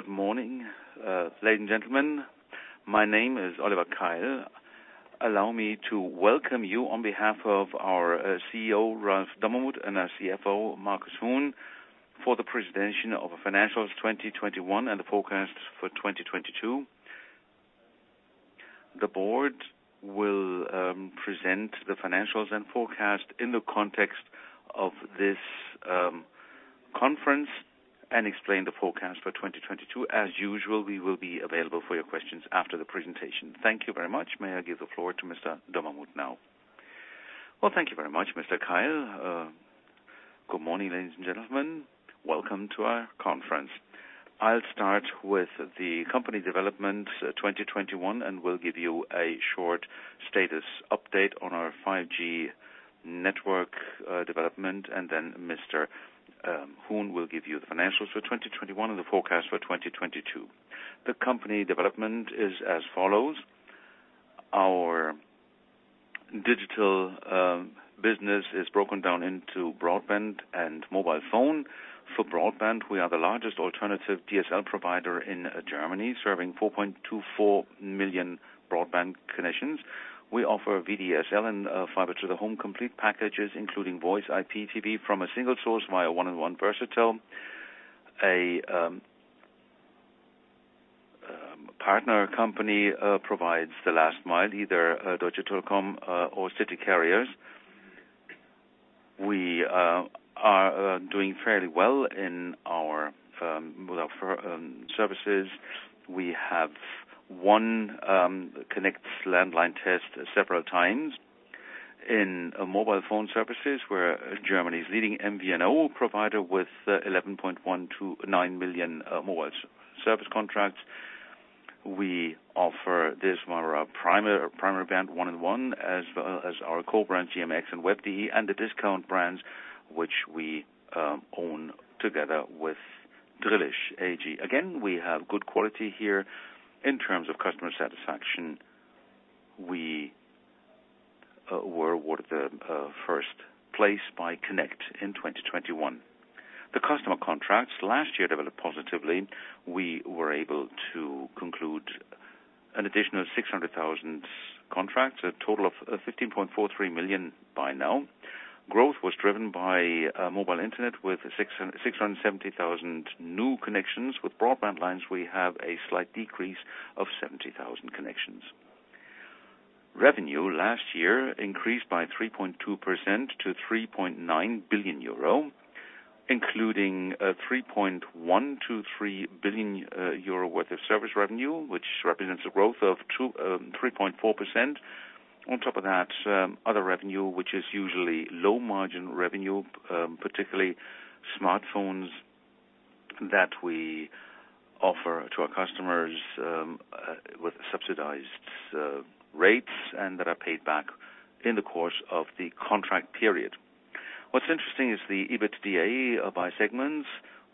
Good morning, ladies and gentlemen. My name is Oliver Keil. Allow me to welcome you on behalf of our CEO, Ralph Dommermuth, and our CFO, Markus Huhn, for the presentation of financials 2021 and the forecast for 2022. The board will present the financials and forecast in the context of this conference and explain the forecast for 2022. As usual, we will be available for your questions after the presentation. Thank you very much. May I give the floor to Mr. Dommermuth now. Well, thank you very much, Mr. Keil. Good morning, ladies and gentlemen. Welcome to our conference. I'll start with the company development 2021, and we'll give you a short status update on our 5G network development. Then Mr. Huhn will give you the financials for 2021 and the forecast for 2022. The company development is as follows. Our digital business is broken down into broadband and mobile phone. For broadband, we are the largest alternative DSL provider in Germany, serving 4.24 million broadband connections. We offer VDSL and fiber to the home complete packages, including voice IPTV from a single source via 1&1 Versatel. A partner company provides the last mile, either Deutsche Telekom or city carriers. We are doing fairly well with our fiber services. We have won Connect's landline test several times. In mobile phone services, we're Germany's leading MVNO provider with 11.129 million mobile service contracts. We offer this via our primary brand, 1&1, as our co-brands GMX and Web.de, and the discount brands which we own together with Drillisch AG. Again, we have good quality here. In terms of customer satisfaction, we were awarded first place by Connect in 2021. The customer contracts last year developed positively. We were able to conclude an additional 600,000 contracts, a total of 15.43 million by now. Growth was driven by mobile internet with 670,000 new connections. With broadband lines, we have a slight decrease of 70,000 connections. Revenue last year increased by 3.2% to 3.9 billion euro, including 3.123 billion euro worth of service revenue, which represents a growth of 3.4%. On top of that, other revenue, which is usually low margin revenue, particularly smartphones that we offer to our customers, with subsidized rates and that are paid back in the course of the contract period. What's interesting is the EBITDA by segments.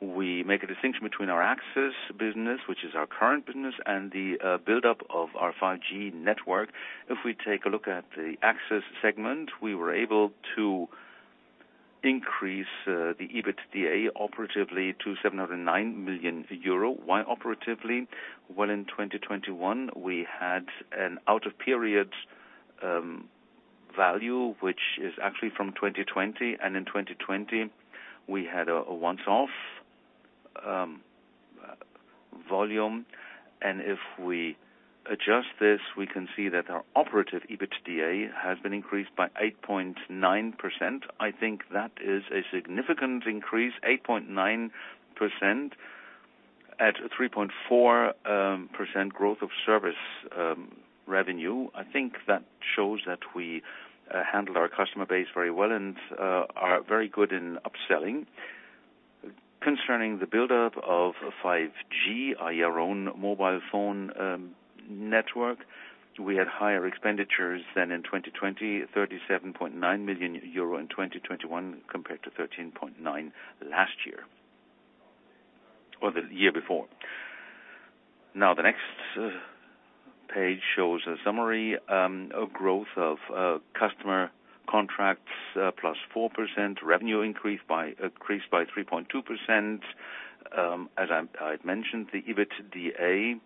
We make a distinction between our access business, which is our current business, and the buildup of our 5G network. If we take a look at the access segment, we were able to increase the EBITDA operatively to 709 million euro. Why operatively? Well, in 2021, we had an out of period value, which is actually from 2020. And in 2020, we had a one-off volume. If we adjust this, we can see that our operative EBITDA has been increased by 8.9%. I think that is a significant increase, 8.9% at 3.4% growth of service revenue. I think that shows that we handle our customer base very well and are very good in upselling. Concerning the buildup of 5G, our own mobile phone network, we had higher expenditures than in 2020, 37.9 million euro in 2021 compared to 13.9 million last year. Or the year before. Now, the next page shows a summary, a growth of customer contracts, plus 4%. Revenue increased by 3.2%. As I had mentioned, the EBITDA,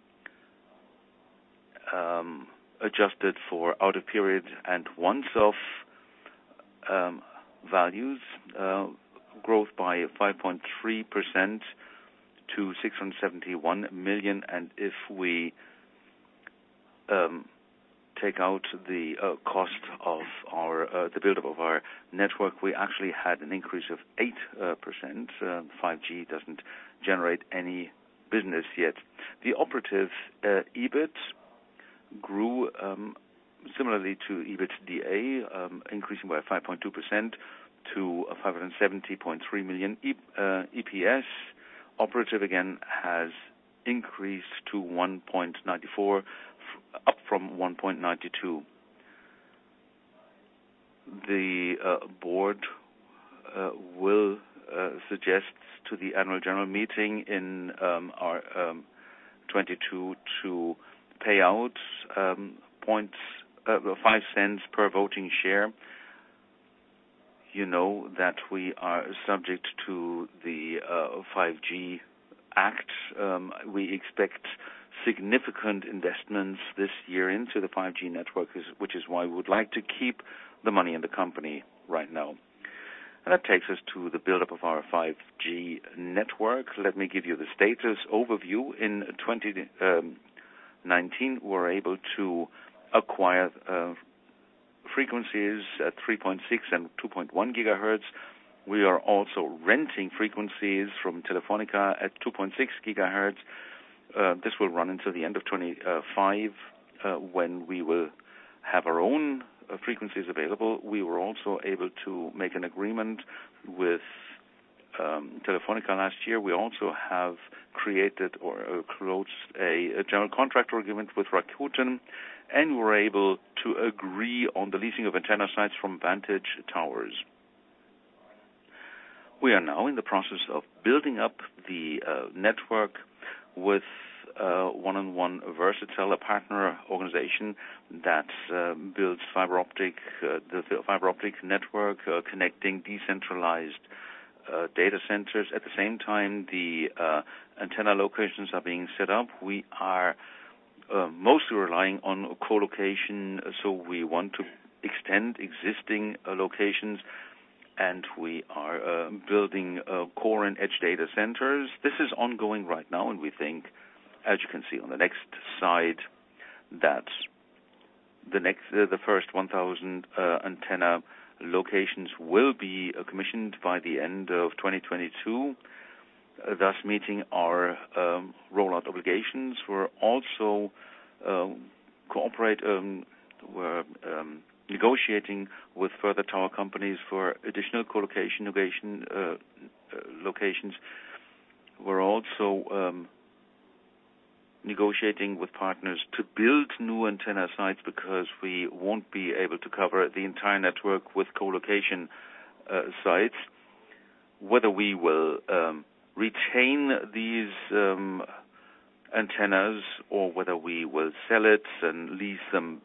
adjusted for out of period and once-off values, growth by 5.3% to EUR 671 million. If we take out the cost of the buildup of our network, we actually had an increase of 8%. 5G doesn't generate any business yet. The operative EBIT grew similarly to EBITDA, increasing by 5.2% to 570.3 million. EPS, operative again, has increased to 1.94 up from 1.92. The board will suggest to the annual general meeting in 2022 to pay out €0.05 per voting share. You know that we are subject to the 5G Act. We expect significant investments this year into the 5G network, which is why we would like to keep the money in the company right now. That takes us to the buildup of our 5G network. Let me give you the status overview. In 2019, we were able to acquire frequencies at 3.6 GHz and 2.1 GHz. We are also renting frequencies from Telefónica at 2.6 GHz. This will run until the end of 2025, when we will have our own frequencies available. We were also able to make an agreement with Telefónica last year. We also have created or closed a general contract agreement with Rakuten, and we're able to agree on the leasing of antenna sites from Vantage Towers. We are now in the process of building up the network with 1&1 Versatel partner organization that builds the fiber optic network connecting decentralized data centers. At the same time, the antenna locations are being set up. We are mostly relying on co-location, so we want to extend existing locations, and we are building core and edge data centers. This is ongoing right now, and we think, as you can see on the next slide, that the first 1,000 antenna locations will be commissioned by the end of 2022, thus meeting our rollout obligations. We're also negotiating with further tower companies for additional co-location innovation locations. We're also negotiating with partners to build new antenna sites because we won't be able to cover the entire network with co-location sites. Whether we will retain these antennas or whether we will sell them and lease them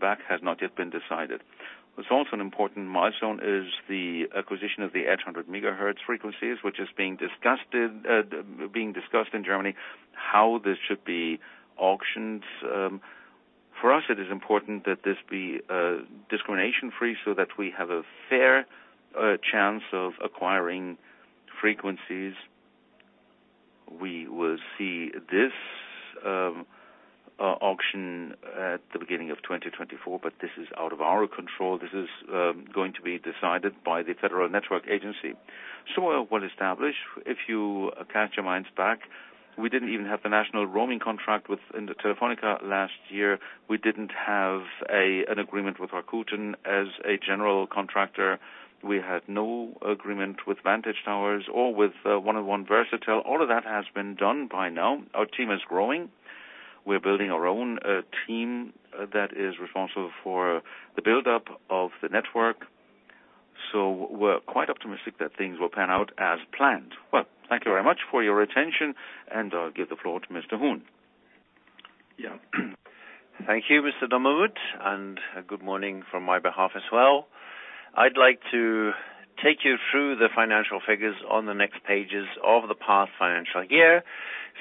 back has not yet been decided. What's also an important milestone is the acquisition of the 800 MHz frequencies, which is being discussed in Germany, how this should be auctioned. For us, it is important that this be discrimination-free so that we have a fair chance of acquiring frequencies. We will see this auction at the beginning of 2024, but this is out of our control. This is going to be decided by the Federal Network Agency. We're well established. If you cast your minds back, we didn't even have the national roaming contract with Telefónica last year. We didn't have an agreement with Rakuten as a general contractor. We had no agreement with Vantage Towers or with 1&1 Versatel. All of that has been done by now. Our team is growing. We're building our own team that is responsible for the buildup of the network. We're quite optimistic that things will pan out as planned. Well, thank you very much for your attention, and I'll give the floor to Mr. Huhn. Yeah. Thank you, Mr. Dommermuth, and good morning from my behalf as well. I'd like to take you through the financial figures on the next pages of the past financial year.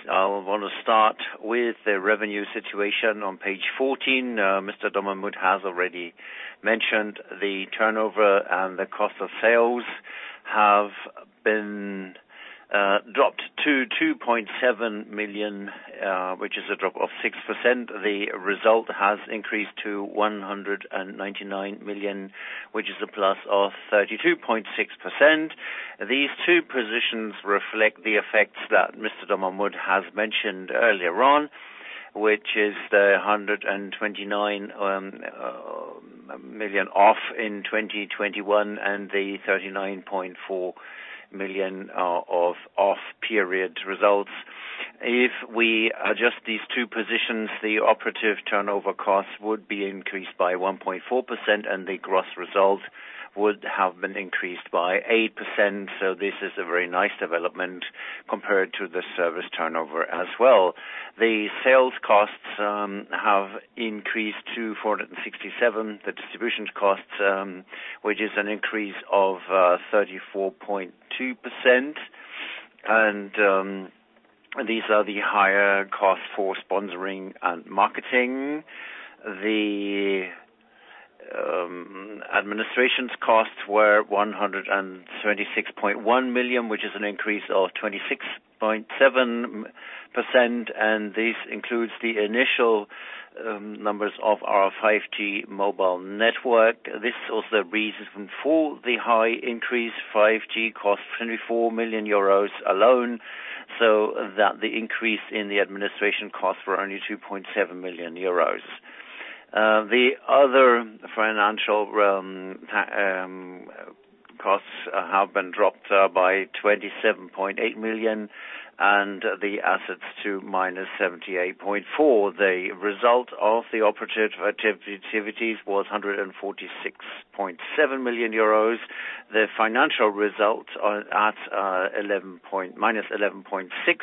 I wanna start with the revenue situation on page 14. Mr. Dommermuth has already mentioned the turnover and the cost of sales have been dropped to 2.7 million, which is a drop of 6%. The result has increased to 199 million, which is a plus of 32.6%. These two positions reflect the effects that Mr. Dommermuth has mentioned earlier on, which is the 129 million one-off in 2021 and the 39.4 million of one-off period results. If we adjust these two positions, the operative turnover costs would be increased by 1.4%, and the gross results would have been increased by 8%. This is a very nice development compared to the service turnover as well. The sales costs have increased to 467 million. The distribution costs, which is an increase of 34.2%. These are the higher costs for sponsoring and marketing. The administration costs were 136.1 million, which is an increase of 26.7%, and this includes the initial numbers of our 5G mobile network. This is also the reason for the high increase 5G cost, 24 million euros alone, so that the increase in the administration costs were only 2.7 million euros. The other financial costs have been dropped by 27.8 million and the assets to -78.4. The result of the operative activities was 146.7 million euros. The financial results are at -11.6, which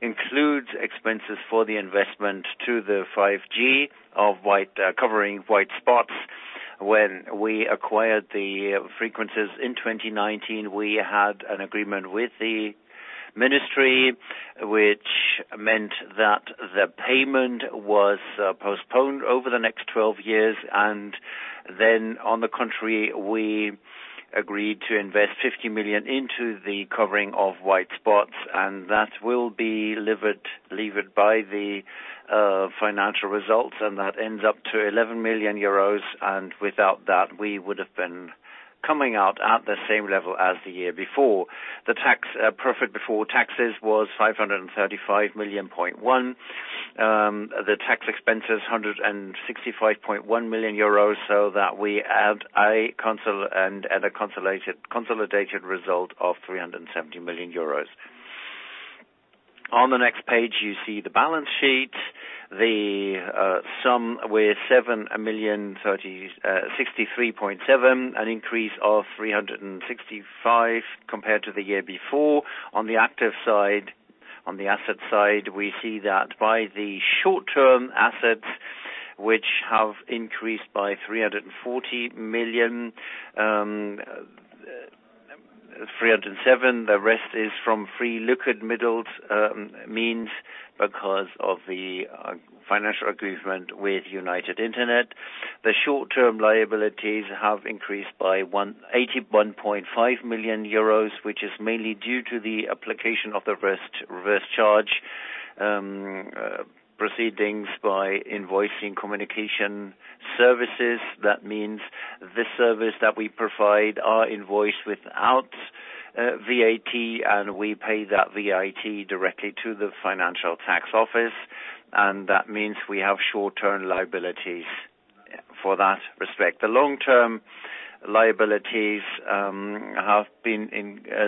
includes expenses for the investment to the 5G covering white spots. When we acquired the frequencies in 2019, we had an agreement with the ministry, which meant that the payment was postponed over the next 12 years. Then on the contrary, we agreed to invest 50 million into the covering of white spots, and that will be delivered by the financial results, and that ends up to 11 million euros. Without that, we would have been coming out at the same level as the year before. The tax, profit before taxes was 535.1 million. The tax expense is 165.1 million euros, so that we had a consolidated result of 370 million euros. On the next page, you see the balance sheet. The sum of 763.7 million, an increase of 365 million compared to the year before. On the asset side, we see that by the short-term assets, which have increased by 340 million, 307 million, the rest is from free liquidity means because of the financial agreement with United Internet. The short-term liabilities have increased by 181.5 million euros, which is mainly due to the application of the reverse charge proceedings by invoicing communication services. That means the services that we provide are invoiced without VAT, and we pay that VAT directly to the financial tax office. That means we have short-term liabilities in that respect. The long-term liabilities have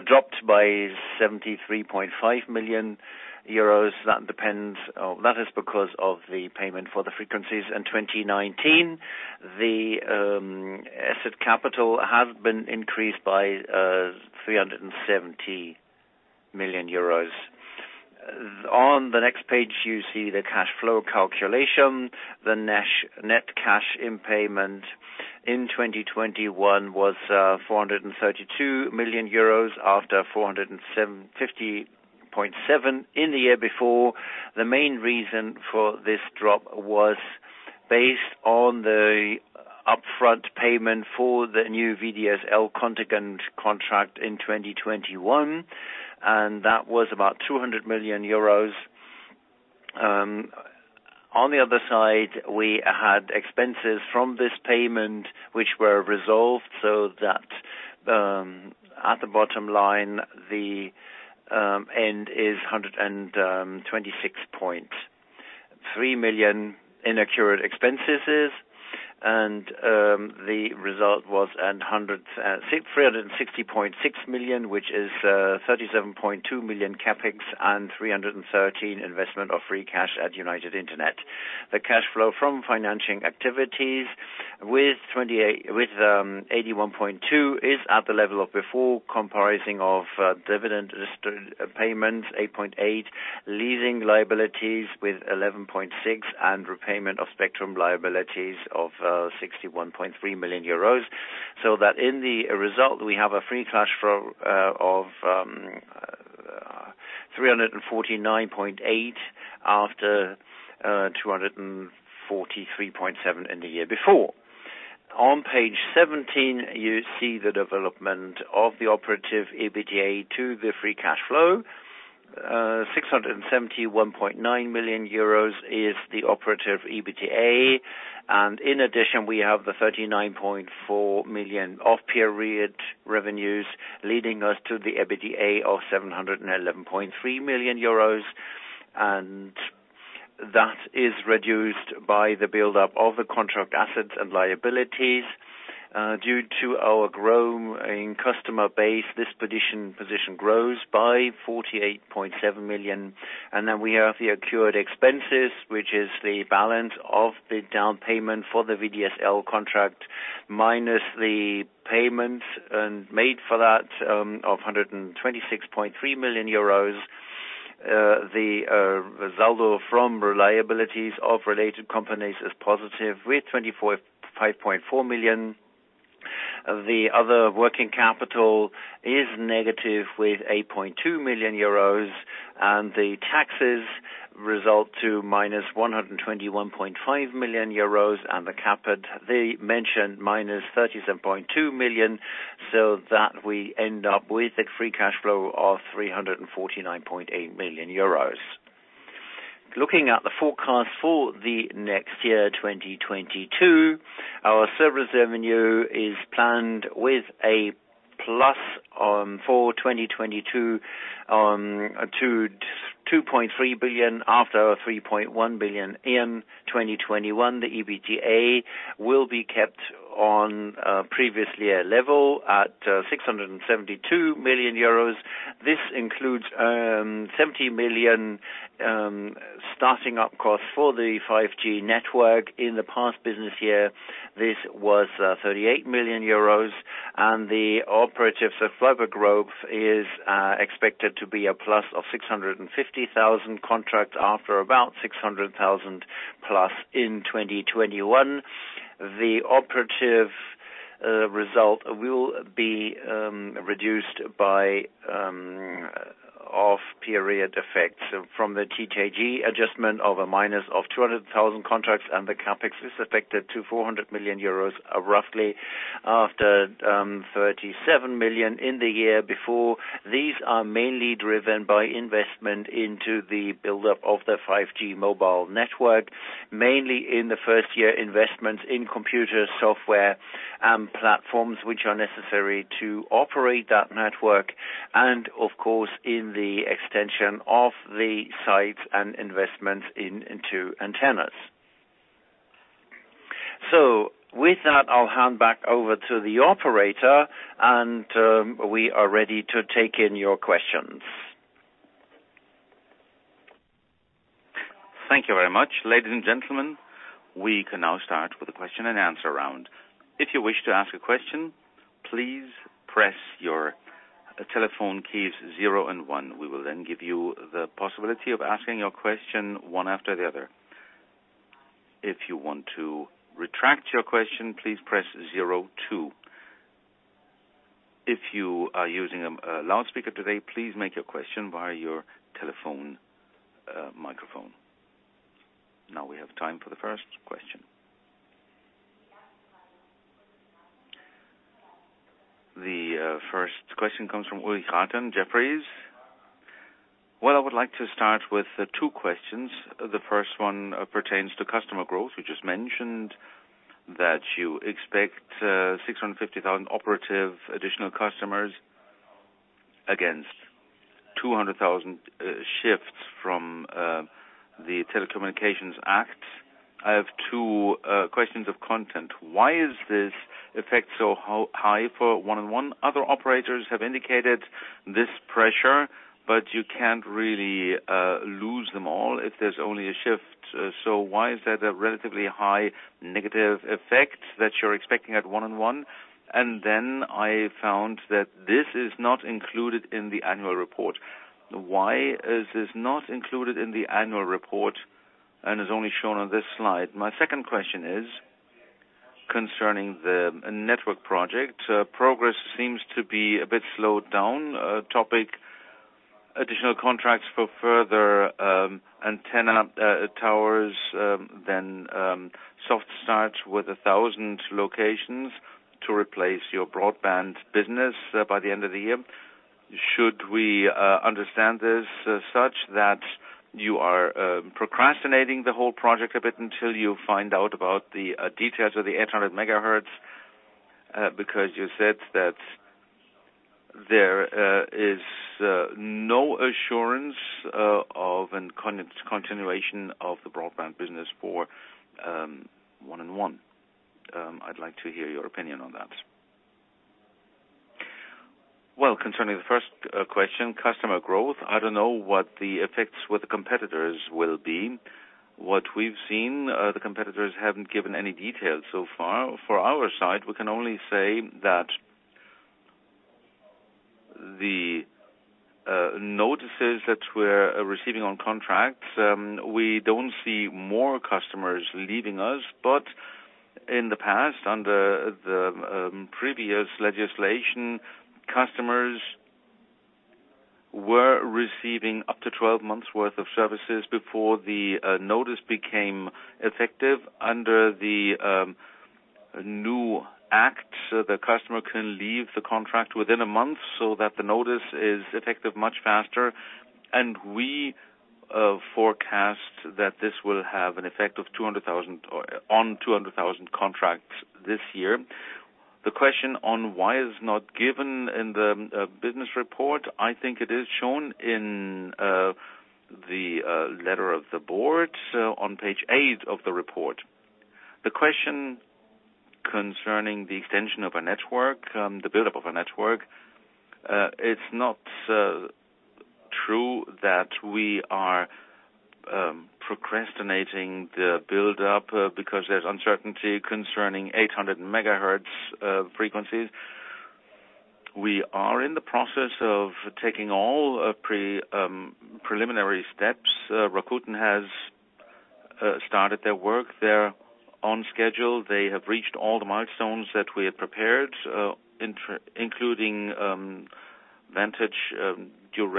dropped by 73.5 million euros. That is because of the payment for the frequencies in 2019. The asset capital has been increased by 370 million euros. On the next page, you see the cash flow calculation. The net cash in payment in 2021 was 432 million euros after 475.7 million in the year before. The main reason for this drop was based on the upfront payment for the new VDSL contingent contract in 2021, and that was about 200 million euros. On the other side, we had expenses from this payment which were resolved so that at the bottom line, the net is 126.3 million net expenses. The result was 360.6 million, which is 37.2 million CapEx and 313 million in free cash at United Internet. The cash flow from financing activities with 81.2 million is at the level of before comprising of dividend payments, 8.8%, leasing liabilities with 11.6%, and repayment of spectrum liabilities of 61.3 million euros. That in the result, we have a free cash flow of 349.8 after 243.7 in the year before. On page 17, you see the development of the operative EBITDA to the free cash flow. 671.9 million euros is the operative EBITDA. In addition, we have the 39.4 million off-period revenues leading us to the EBITDA of 711.3 million euros. That is reduced by the buildup of the contract assets and liabilities. Due to our growing customer base, this position grows by 48.7 million. We have the accrued expenses, which is the balance of the down payment for the VDSL contract, minus the payment made for that of 126.3 million euros. The result from liabilities of related companies is positive with 24.4 million. The other working capital is negative with 8.2 million euros, and the taxes result to minus 121.5 million euros and the CapEx, the mentioned minus 37.2 million, so that we end up with a free cash flow of 349.8 million euros. Looking at the forecast for the next year, 2022, our service revenue is planned with a plus for 2022 to 2.3 billion after 3.1 billion in 2021. The EBITDA will be kept on previously a level at 672 million euros. This includes 70 million starting up costs for the 5G network. In the past business year, this was 38 million euros. The operations of fiber growth is expected to be +650,000 contracts after about 600,000+. In 2021, the operating result will be reduced by one-off effects from the TKG adjustment of -200,000 contracts. The CapEx is expected to be 400 million euros, roughly, after 37 million in the year before. These are mainly driven by investment into the buildup of the 5G mobile network. Mainly in the first year, investments in computer software and platforms which are necessary to operate that network. Of course, in the extension of the sites and investments into antennas. With that, I'll hand back over to the operator and we are ready to take in your questions. Thank you very much. Ladies and gentlemen, we can now start with the question and answer round. If you wish to ask a question, please press your telephone keys zero and one. We will then give you the possibility of asking your question one after the other. If you want to retract your question, please press zero two. If you are using a loudspeaker today, please make your question via your telephone microphone. Now we have time for the first question. The first question comes from Ulrich Rathe, Jefferies. Well, I would like to start with two questions. The first one pertains to customer growth. You just mentioned that you expect 650,000 operative additional customers against 200,000 shifts from the Telecommunications Act. I have two questions of content. Why is this effect so high for 1&1? Other operators have indicated this pressure, but you can't really lose them all if there's only a shift. Why is that a relatively high negative effect that you're expecting at 1&1? And then I found that this is not included in the annual report. Why is this not included in the annual report and is only shown on this slide? My second question is concerning the network project. Progress seems to be a bit slowed down. Topic additional contracts for further antenna towers, then soft start with 1,000 locations to replace your broadband business by the end of the year. Should we understand this as such that you are procrastinating the whole project a bit until you find out about the details of the 800 MHz? Because you said that there is no assurance of a continuation of the broadband business for 1&1. I'd like to hear your opinion on that. Well, concerning the first question, customer growth, I don't know what the effects with the competitors will be. What we've seen, the competitors haven't given any details so far. For our side, we can only say that the notices that we're receiving on contracts, we don't see more customers leaving us. In the past, under the previous legislation, customers were receiving up to 12 months worth of services before the notice became effective. Under the new act, the customer can leave the contract within a month so that the notice is effective much faster. We forecast that this will have an effect of 200,000 contracts this year. The question on why is not given in the business report, I think it is shown in the letter of the board, so on page eight of the report. The question concerning the extension of a network, the buildup of a network, it's not true that we are procrastinating the buildup because there's uncertainty concerning 800 MHz frequencies. We are in the process of taking all preliminary steps. Rakuten has started their work. They're on schedule. They have reached all the milestones that we had prepared, including Vantage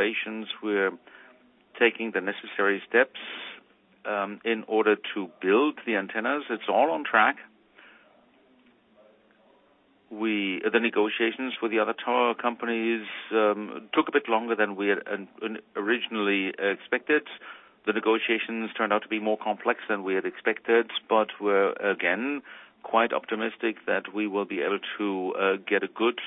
Towers. We're taking the necessary steps in order to build the antennas. It's all on track. The negotiations with the other tower companies took a bit longer than we had originally expected. The negotiations turned out to be more complex than we had expected, but we're again quite optimistic that we will be able to get a good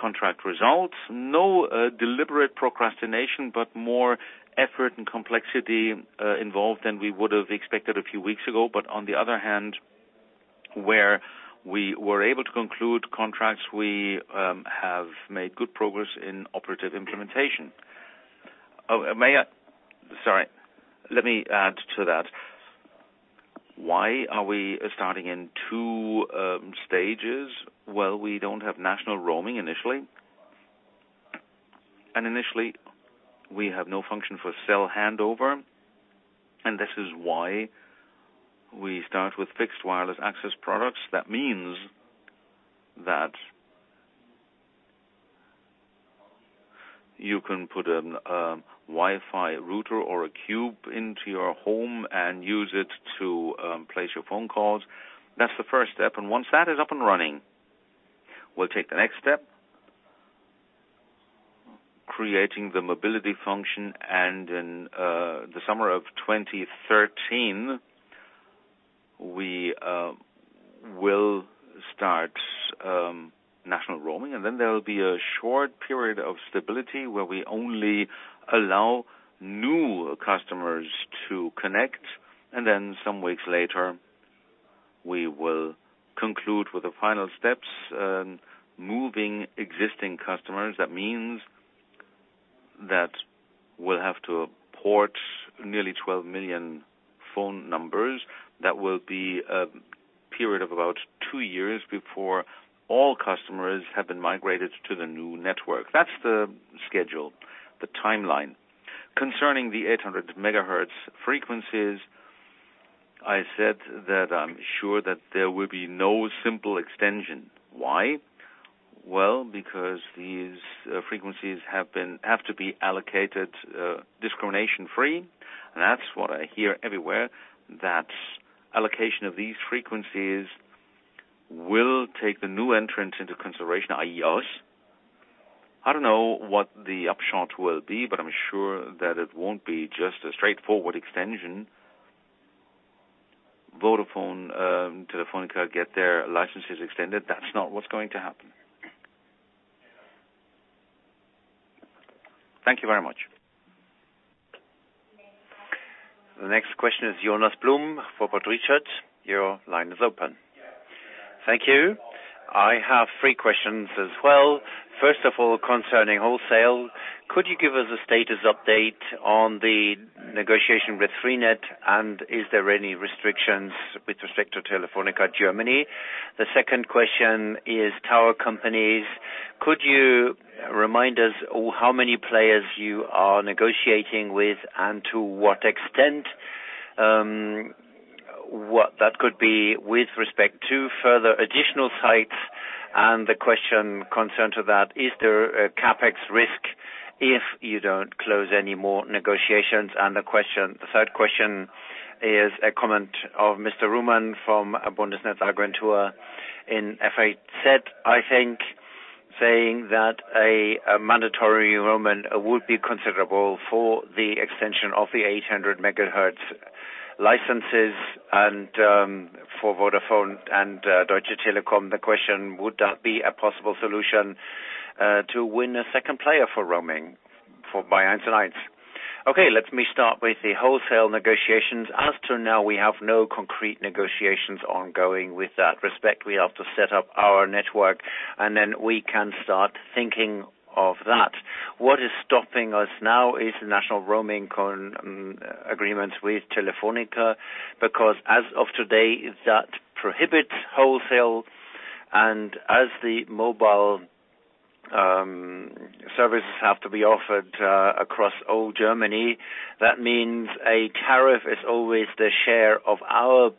contract result. No deliberate procrastination, but more effort and complexity involved than we would have expected a few weeks ago. On the other hand. Where we were able to conclude contracts, we have made good progress in operative implementation. Sorry, let me add to that. Why are we starting in two stages? Well, we don't have national roaming initially. Initially, we have no function for cell handover, and this is why we start with fixed wireless access products. That means that you can put a Wi-Fi router or a cube into your home and use it to place your phone calls. That's the first step. Once that is up and running, we'll take the next step, creating the mobility function. In the summer of 2013, we will start national roaming. Then there will be a short period of stability where we only allow new customers to connect. Then some weeks later, we will conclude with the final steps, moving existing customers. That means that we'll have to port nearly 12 million phone numbers. That will be a period of about two years before all customers have been migrated to the new network. That's the schedule, the timeline. Concerning the 800 MHz frequencies, I said that I'm sure that there will be no simple extension. Why? Well, because these frequencies have to be allocated discrimination-free. That's what I hear everywhere, that allocation of these frequencies will take the new entrants into consideration, i.e. us. I don't know what the upshot will be, but I'm sure that it won't be just a straightforward extension. Vodafone, Telefónica get their licenses extended. That's not what's going to happen. Thank you very much. The next question is Jonas Blum for Portzamparc Research. I have three questions as well. First of all, concerning wholesale, could you give us a status update on the negotiation with Freenet? Is there any restrictions with respect to Telefónica Germany? The second question is tower companies. Could you remind us how many players you are negotiating with and to what extent? What that could be with respect to further additional sites. The question concerned to that, is there a CapEx risk if you don't close any more negotiations? The third question is a comment of Mr. Homann from Bundesnetzagentur, said, I think, saying that a mandatory enrollment would be considerable for the extension of the 800 MHz licenses and, for Vodafone and Deutsche Telekom. The question: would that be a possible solution to win a second player for roaming for by 1&1? Okay, let me start with the wholesale negotiations. As of now, we have no concrete negotiations ongoing in that respect. We have to set up our network, and then we can start thinking of that. What is stopping us now is the national roaming agreement with Telefónica, because as of today, that prohibits wholesale. As the mobile services have to be offered across all Germany, that means a tariff is always the share of our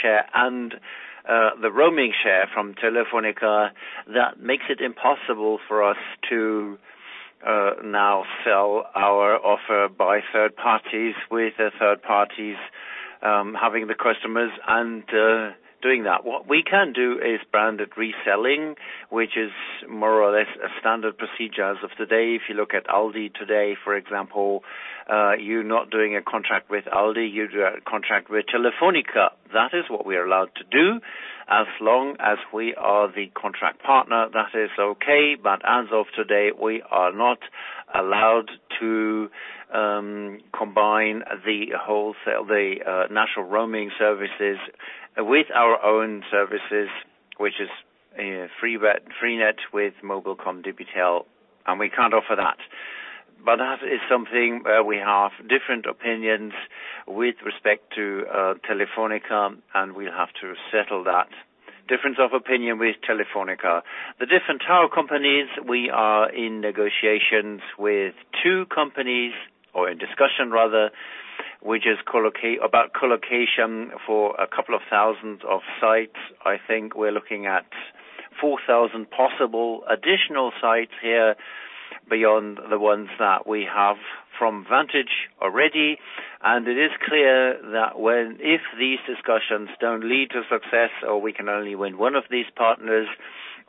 share and the roaming share from Telefónica. That makes it impossible for us to now sell our offer to third parties, with the third parties having the customers and doing that. What we can do is branded reselling, which is more or less a standard procedure as of today. If you look at Aldi today, for example, you're not doing a contract with Aldi, you do a contract with Telefónica. That is what we are allowed to do. As long as we are the contract partner, that is okay. But as of today, we are not allowed to combine the wholesale, the national roaming services with our own services, which is Freenet with Mobilcom, Debitel, and we can't offer that. But that is something where we have different opinions with respect to Telefónica, and we'll have to settle that difference of opinion with Telefónica. The different tower companies, we are in negotiations with two companies, or in discussion rather, about colocation for a couple of thousands of sites. I think we're looking at 4,000 possible additional sites here beyond the ones that we have from Vantage already. It is clear that if these discussions don't lead to success, or we can only win one of these partners,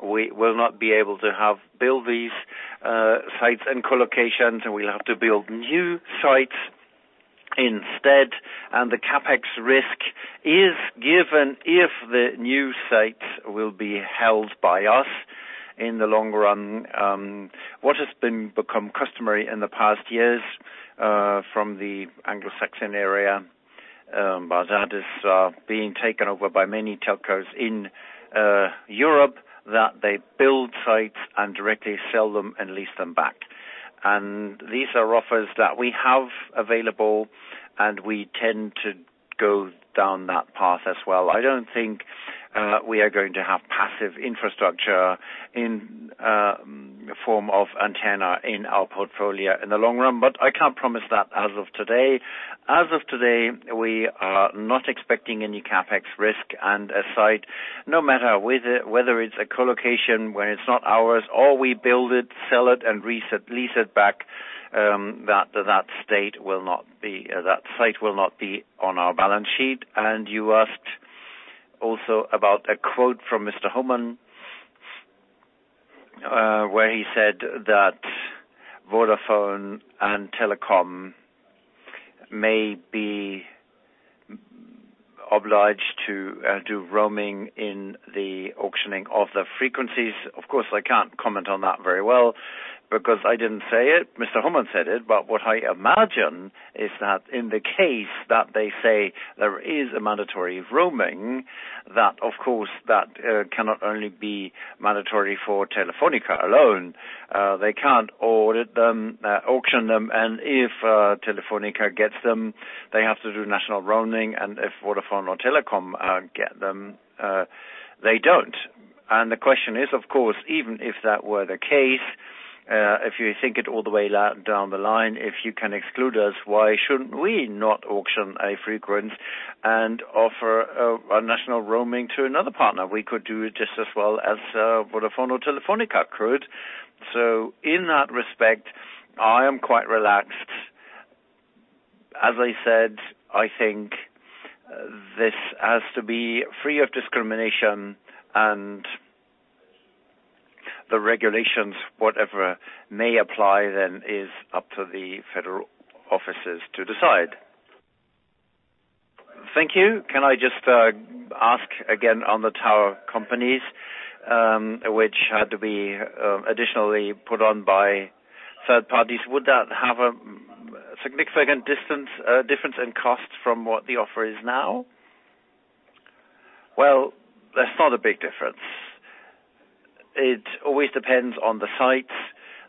we will not be able to build these sites and collocations, and we'll have to build new sites instead. The CapEx risk is given if the new sites will be held by us. In the long run, what has become customary in the past years from the Anglo-Saxon area, but that is being taken over by many telcos in Europe, that they build sites and directly sell them and lease them back. These are offers that we have available, and we tend to go down that path as well. I don't think we are going to have passive infrastructure in form of antenna in our portfolio in the long run, but I can't promise that as of today. As of today, we are not expecting any CapEx risk. A site, no matter whether it's a co-location, where it's not ours, or we build it, sell it, and lease it back, that site will not be on our balance sheet. You asked also about a quote from Mr. Homann, where he said that Vodafone and Telekom may be obliged to do roaming in the auctioning of the frequencies. Of course, I can't comment on that very well because I didn't say it. Mr. Homann said it. What I imagine is that in the case that they say there is a mandatory roaming, that of course cannot only be mandatory for Telefónica alone. They can't order them, auction them, and if Telefónica gets them, they have to do national roaming. If Vodafone or Telekom get them, they don't. The question is, of course, even if that were the case, if you think it all the way down the line, if you can exclude us, why shouldn't we not auction a frequency and offer national roaming to another partner? We could do it just as well as Vodafone or Telefónica could. In that respect, I am quite relaxed. As I said, I think this has to be free of discrimination and the regulations, whatever may apply then is up to the federal offices to decide. Thank you. Can I just ask again on the tower companies, which had to be additionally put on by third parties? Would that have a significant difference in cost from what the offer is now? Well, that's not a big difference. It always depends on the sites.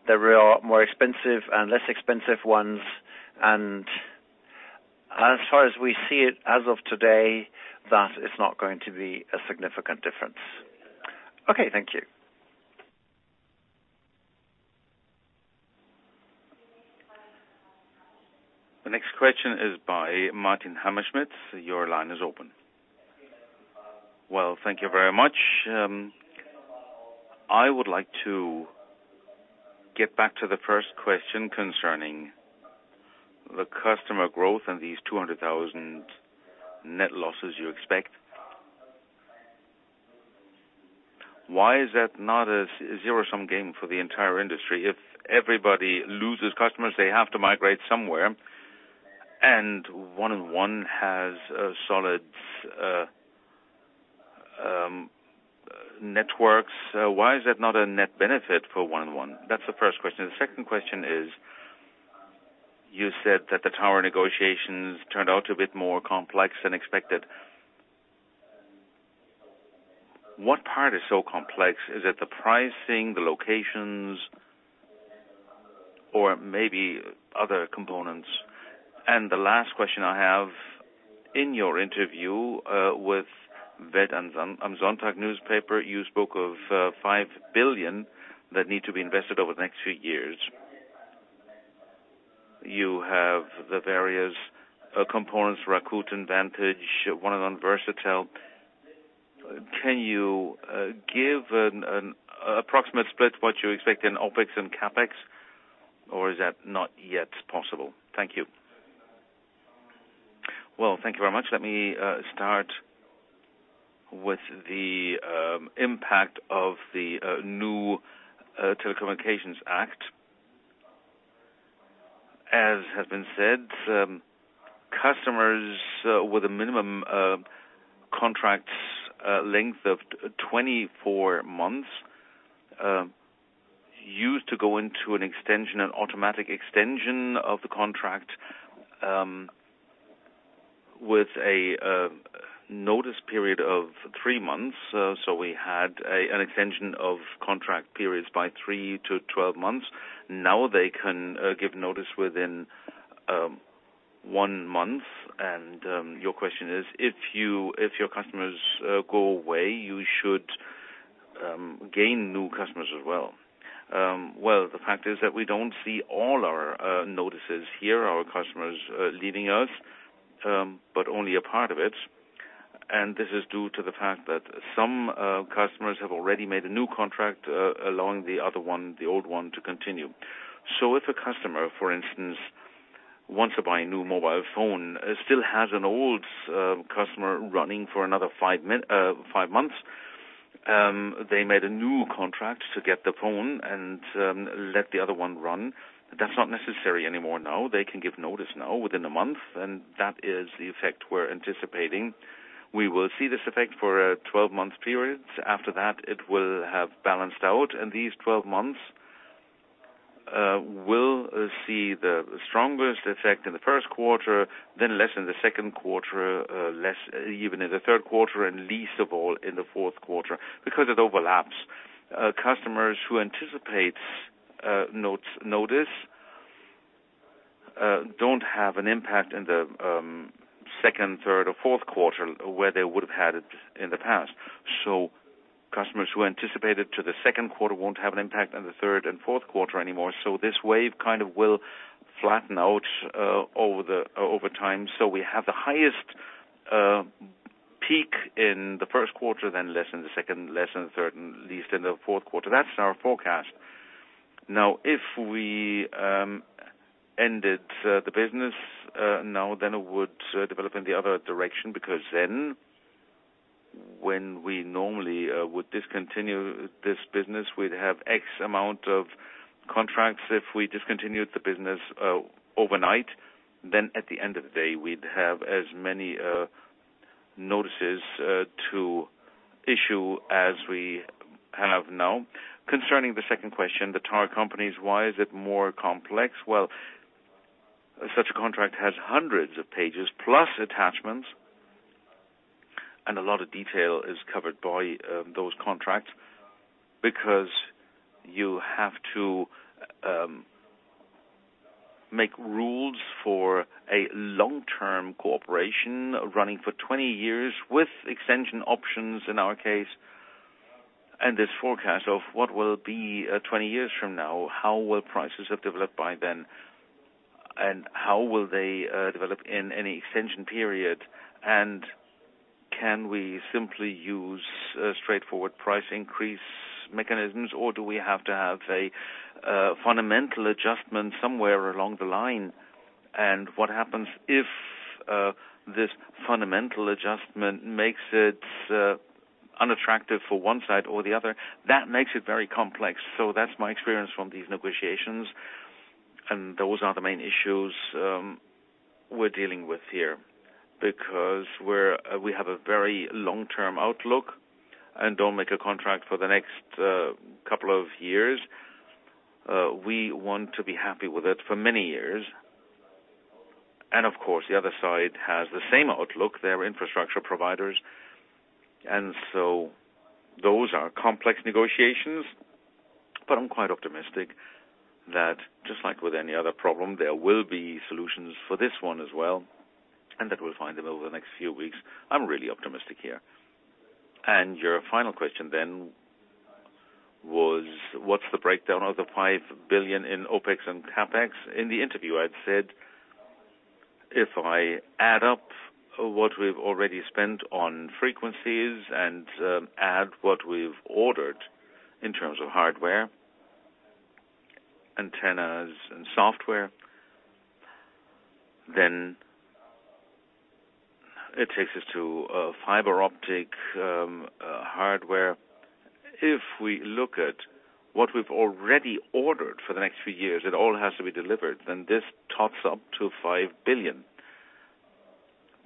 There are more expensive and less expensive ones. As far as we see it as of today, that is not going to be a significant difference. Okay. Thank you. The next question is by Martin Hammerschmidt. Your line is open. Well, thank you very much. I would like to get back to the first question concerning the customer growth and these 200,000 net losses you expect. Why is that not a zero-sum game for the entire industry? If everybody loses customers, they have to migrate somewhere, and 1&1 has solid networks, why is that not a net benefit for 1&1? That's the first question. The second question is, you said that the tower negotiations turned out a bit more complex than expected. What part is so complex? Is it the pricing, the locations, or maybe other components? The last question I have, in your interview with Welt am Sonntag newspaper, you spoke of 5 billion that need to be invested over the next few years. You have the various components, Rakuten, Vantage, one of them, Versatel. Can you give an approximate split what you expect in OpEx and CapEx, or is that not yet possible? Thank you. Well, thank you very much. Let me start with the impact of the new Telecommunications Act. As has been said, customers with a minimum contract length of 24 months used to go into an extension, an automatic extension of the contract, with a notice period of three months. We had an extension of contract periods by three to 12 months. Now they can give notice within one month. Your question is, if your customers go away, you should gain new customers as well. Well, the fact is that we don't see all our notices here, our customers leaving us, but only a part of it. This is due to the fact that some customers have already made a new contract, allowing the other one, the old one, to continue. If a customer, for instance, wants to buy a new mobile phone, still has an old contract running for another five months, they made a new contract to get the phone and let the other one run. That's not necessary anymore now. They can give notice now within a month, and that is the effect we're anticipating. We will see this effect for 12-month periods. After that, it will have balanced out. These 12 months will see the strongest effect in the first quarter, then less in the second quarter, less even in the third quarter, and least of all in the fourth quarter because it overlaps. Customers who anticipate notice don't have an impact in the second, third, or fourth quarter where they would have had it in the past. Customers who anticipate it to the second quarter won't have an impact on the third and fourth quarter anymore. This wave kind of will flatten out over time. We have the highest peak in the first quarter, then less in the second, less in the third, and least in the fourth quarter. That's our forecast. Now, if we ended the business now, then it would develop in the other direction, because then when we normally would discontinue this business, we'd have X amount of contracts. If we discontinued the business overnight, then at the end of the day, we'd have as many notices to issue as we have now. Concerning the second question, the tower companies, why is it more complex? Well, such a contract has hundreds of pages plus attachments, and a lot of detail is covered by those contracts because you have to make rules for a long-term cooperation running for 20 years with extension options in our case. This forecast of what will be 20 years from now, how will prices have developed by then, and how will they develop in any extension period? Can we simply use straightforward price increase mechanisms, or do we have to have a fundamental adjustment somewhere along the line? What happens if this fundamental adjustment makes it unattractive for one side or the other? That makes it very complex. That's my experience from these negotiations, and those are the main issues we're dealing with here. Because we have a very long-term outlook and don't make a contract for the next couple of years. We want to be happy with it for many years. Of course, the other side has the same outlook. They're infrastructure providers. Those are complex negotiations. I'm quite optimistic that just like with any other problem, there will be solutions for this one as well, and that we'll find them over the next few weeks. I'm really optimistic here. Your final question then was, what's the breakdown of the 5 billion in OpEx and CapEx? In the interview, I'd said, if I add up what we've already spent on frequencies and add what we've ordered in terms of hardware, antennas, and software. It takes us to fiber optic hardware. If we look at what we've already ordered for the next few years, it all has to be delivered, this tops up to 5 billion.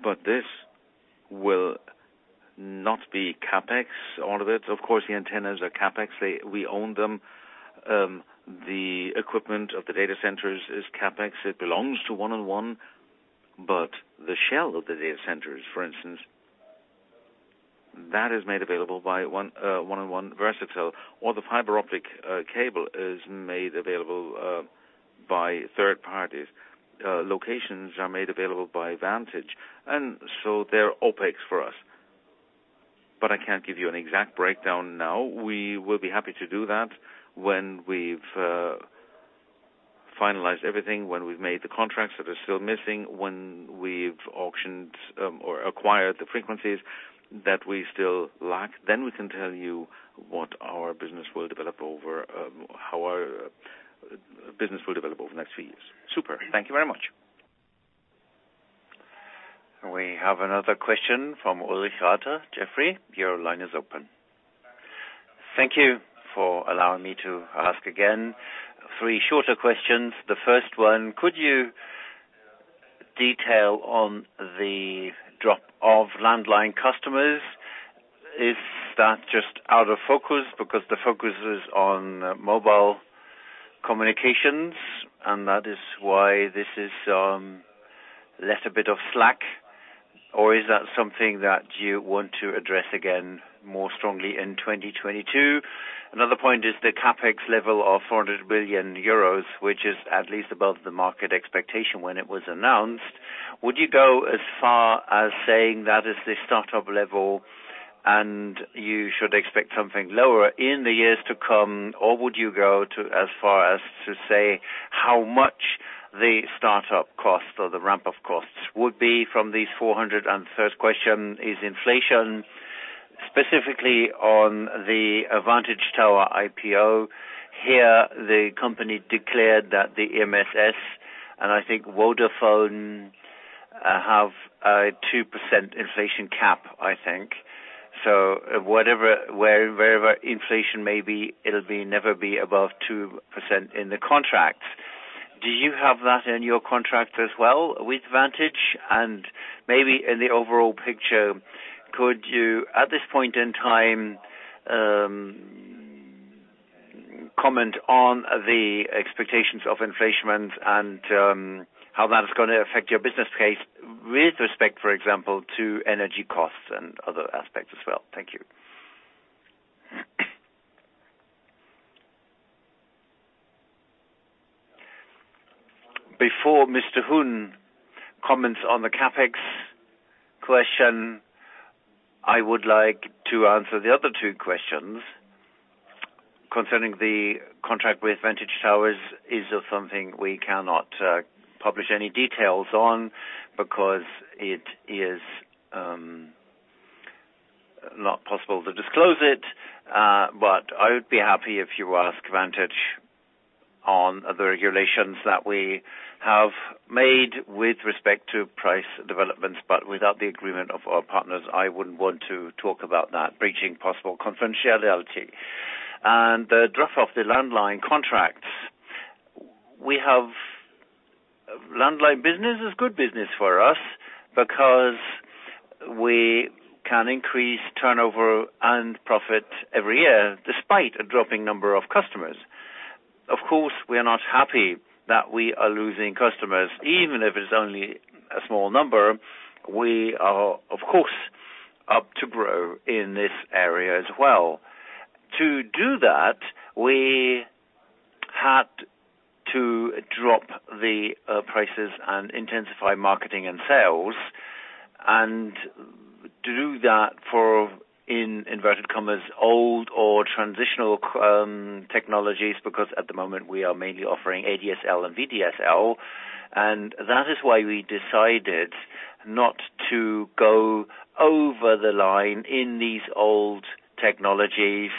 But this will not be CapEx, all of it. Of course, the antennas are CapEx. We own them. The equipment of the data centers is CapEx. It belongs to 1&1, but the shell of the data centers, for instance, that is made available by 1&1 Versatel, or the fiber optic cable is made available by third parties. Locations are made available by Vantage, and so they're OpEx for us. But I can't give you an exact breakdown now. We will be happy to do that when we've finalized everything, when we've made the contracts that are still missing, when we've auctioned or acquired the frequencies that we still lack. Then we can tell you how our business will develop over the next few years. Super. Thank you very much. We have another question from Ulrich Rathe. Jefferies, your line is open. Thank you for allowing me to ask again. Three shorter questions. The first one, could you detail on the drop of landline customers? Is that just out of focus because the focus is on mobile communications, and that is why this is left a bit slack? Or is that something that you want to address again more strongly in 2022? Another point is the CapEx level of 400 million euros, which is at least above the market expectation when it was announced. Would you go so far as to say that is the start-up level and you should expect something lower in the years to come, or would you go so far as to say how much the start-up cost or the ramp-up costs would be from these 400? Third question is inflation, specifically on the Vantage Towers IPO. Here, the company declared that the EMSS and I think Vodafone have a 2% inflation cap, I think. So wherever inflation may be, it'll never be above 2% in the contract. Do you have that in your contract as well with Vantage? And maybe in the overall picture, could you, at this point in time, comment on the expectations of inflation and how that is gonna affect your business case with respect, for example, to energy costs and other aspects as well? Thank you. Before Mr. Huhn comments on the CapEx question, I would like to answer the other two questions. Concerning the contract with Vantage Towers is something we cannot publish any details on because it is not possible to disclose it. I would be happy if you ask Vantage Towers on the regulations that we have made with respect to price developments, but without the agreement of our partners, I wouldn't want to talk about that, breaching possible confidentiality. The drop of the landline contracts. Landline business is good business for us because we can increase turnover and profit every year despite a dropping number of customers. Of course, we are not happy that we are losing customers, even if it's only a small number. We are, of course, want to grow in this area as well. To do that, we had to drop the prices and intensify marketing and sales, and to do that for, in inverted commas, old or transitional technologies, because at the moment, we are mainly offering ADSL and VDSL. That is why we decided not to go over the line in these old technologies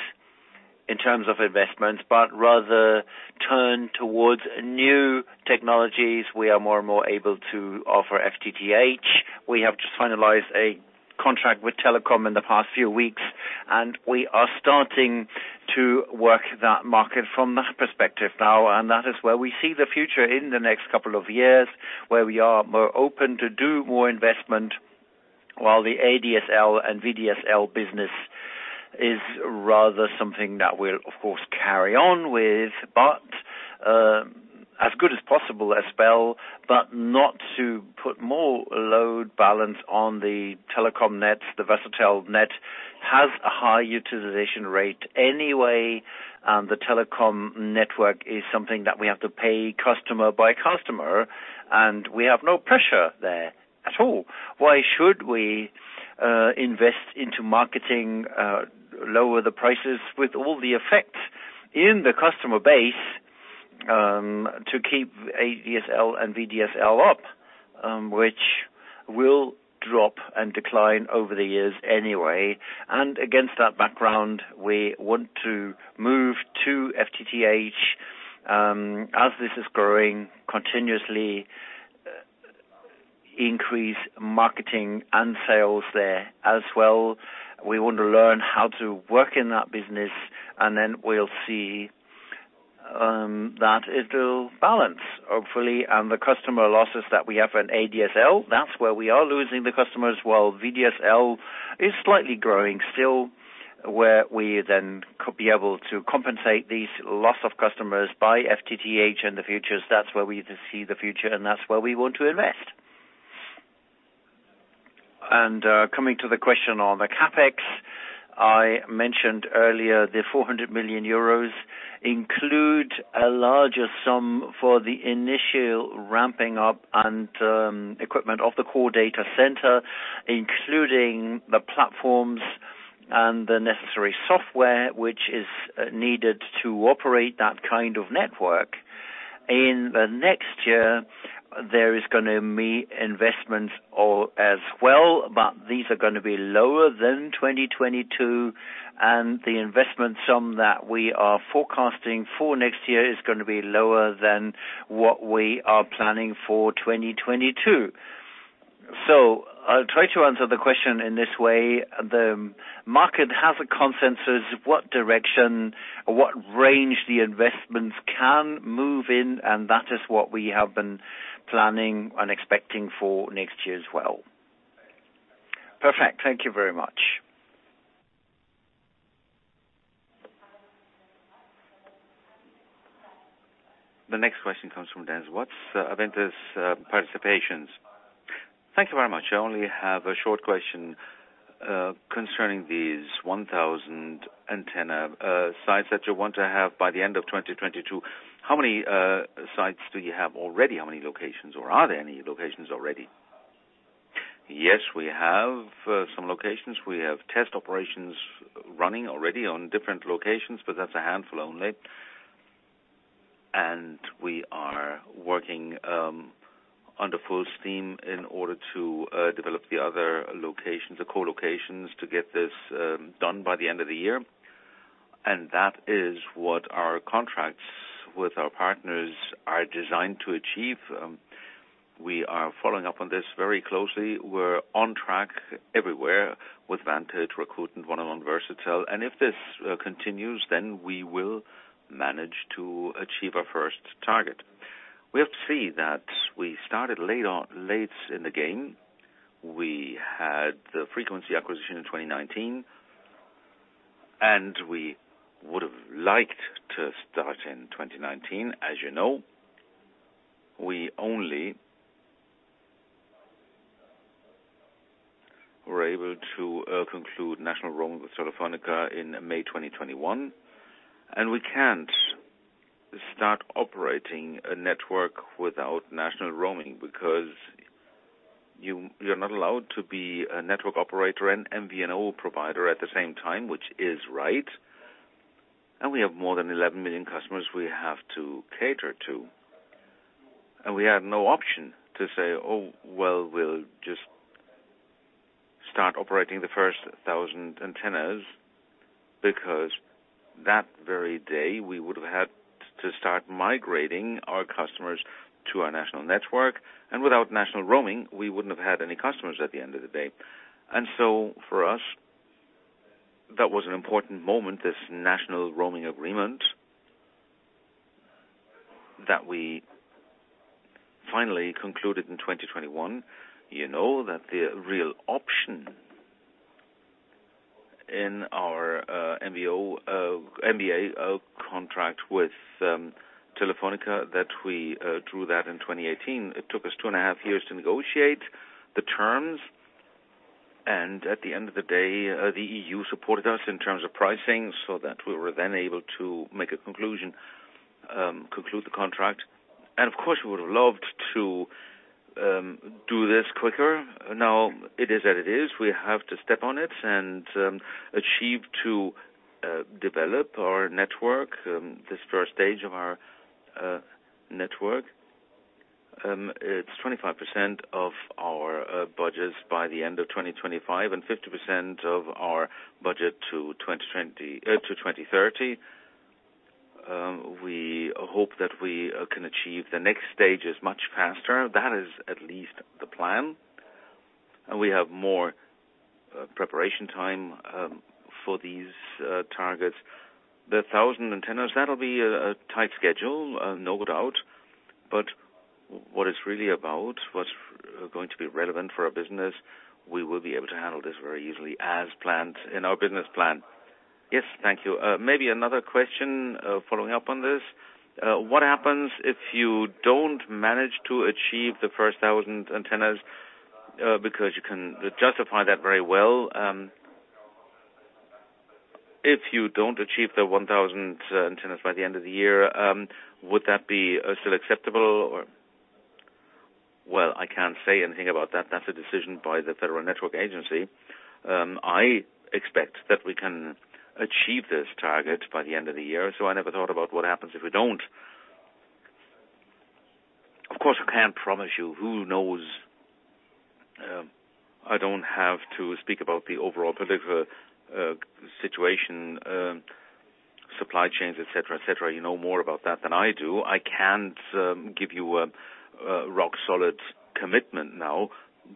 in terms of investments, but rather turn towards new technologies. We are more and more able to offer FTTH. We have just finalized a contract with Telekom in the past few weeks, and we are starting to work that market from that perspective now. That is where we see the future in the next couple of years, where we are more open to do more investment, while the ADSL and VDSL business is rather something that we'll, of course, carry on with, but, as good as possible as well, but not to put more load balance on the Telekom nets. The Versatel net has a high utilization rate anyway, and the Telekom network is something that we have to pay customer by customer, and we have no pressure there at all. Why should we invest into marketing, lower the prices with all the effects in the customer base, to keep ADSL and VDSL up, which will drop and decline over the years anyway. Against that background, we want to move to FTTH. As this is growing continuously, increase marketing and sales there as well. We want to learn how to work in that business, and then we'll see that it will balance, hopefully. The customer losses that we have in ADSL, that's where we are losing the customers, while VDSL is slightly growing still, where we then could be able to compensate these loss of customers by FTTH in the future. That's where we see the future, and that's where we want to invest. Coming to the question on the CapEx, I mentioned earlier the 400 million euros include a larger sum for the initial ramping up and equipment of the core data center, including the platforms and the necessary software which is needed to operate that kind of network. In the next year, there is gonna be investments as well, but these are gonna be lower than 2022, and the investment sum that we are forecasting for next year is gonna be lower than what we are planning for 2022. I'll try to answer the question in this way. The market has a consensus what direction, what range the investments can move in, and that is what we have been planning and expecting for next year as well. Perfect. Thank you very much. The next question comes from Dennis Watts, Aventis Participations. Thank you very much. I only have a short question concerning these 1000 antenna sites that you want to have by the end of 2022. How many sites do you have already? How many locations, or are there any locations already? Yes, we have some locations. We have test operations running already on different locations, but that's a handful only. We are working under full steam in order to develop the other locations, the co-locations, to get this done by the end of the year. That is what our contracts with our partners are designed to achieve. We are following up on this very closely. We're on track everywhere with Vantage Towers, including one of them, Versatel. If this continues, then we will manage to achieve our first target. We have to see that we started late in the game. We had the frequency acquisition in 2019, and we would have liked to start in 2019. As you know, we only were able to conclude national roaming with Telefónica in May 2021. We can't start operating a network without national roaming because you're not allowed to be a network operator and MVNO provider at the same time, which is right. We have more than 11 million customers we have to cater to. We have no option to say, "Oh, well, we'll just start operating the first 1,000 antennas," because that very day, we would have had to start migrating our customers to our national network. Without national roaming, we wouldn't have had any customers at the end of the day. For us, that was an important moment, this national roaming agreement, that we finally concluded in 2021. You know that the real option in our MVNO contract with Telefónica that we drew that in 2018. It took us two and a half years to negotiate the terms. At the end of the day, the EU supported us in terms of pricing so that we were then able to conclude the contract. Of course, we would have loved to do this quicker. Now, it is what it is. We have to step on it and achieve to develop our network this first stage of our network. It's 25% of our budgets by the end of 2025 and 50% of our budget to 2030. We hope that we can achieve the next stages much faster. That is at least the plan. We have more preparation time for these targets. The 1,000 antennas, that'll be a tight schedule, no doubt. But what it's really about, what's going to be relevant for our business, we will be able to handle this very easily as planned in our business plan. Yes, thank you. Maybe another question following up on this. What happens if you don't manage to achieve the first 1,000 antennas? Because you can justify that very well. If you don't achieve the 1,000 antennas by the end of the year, would that be still acceptable or? Well, I can't say anything about that. That's a decision by the Federal Network Agency. I expect that we can achieve this target by the end of the year, so I never thought about what happens if we don't. Of course, I can't promise you. Who knows? I don't have to speak about the overall political situation, supply chains, et cetera. You know more about that than I do. I can't give you a rock solid commitment now,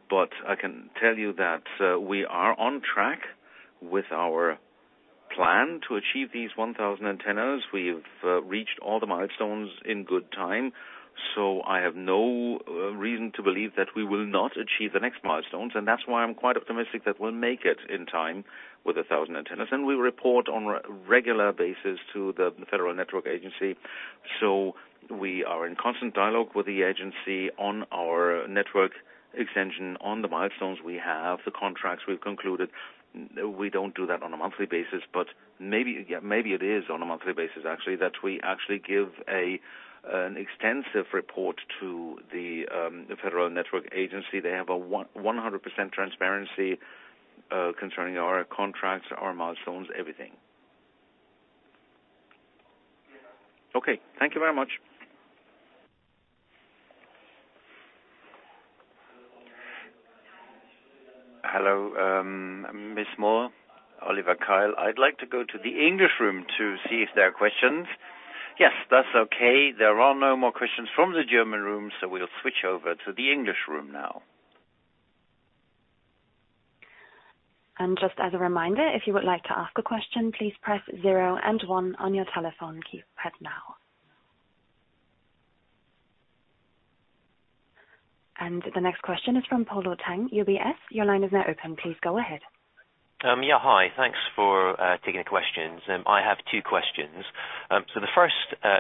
but I can tell you that we are on track with our plan to achieve these 1,000 antennas. We've reached all the milestones in good time, so I have no reason to believe that we will not achieve the next milestones. That's why I'm quite optimistic that we'll make it in time with 1,000 antennas. We report on a regular basis to the Federal Network Agency, so we are in constant dialogue with the agency on our network extension, on the milestones we have, the contracts we've concluded. We don't do that on a monthly basis, but maybe, yeah, maybe it is on a monthly basis, actually, that we actually give an extensive report to the Federal Network Agency. They have 100% transparency concerning our contracts, our milestones, everything. Okay, thank you very much. Hello, Miss Moore. Oliver Keil. I'd like to go to the English room to see if there are questions. Yes, that's okay. There are no more questions from the German room, so we'll switch over to the English room now. Just as a reminder, if you would like to ask a question, please press zero and one on your telephone keypad now. The next question is from Polo Tang, UBS. Your line is now open. Please go ahead. Yeah, hi. Thanks for taking the questions. I have two questions. The first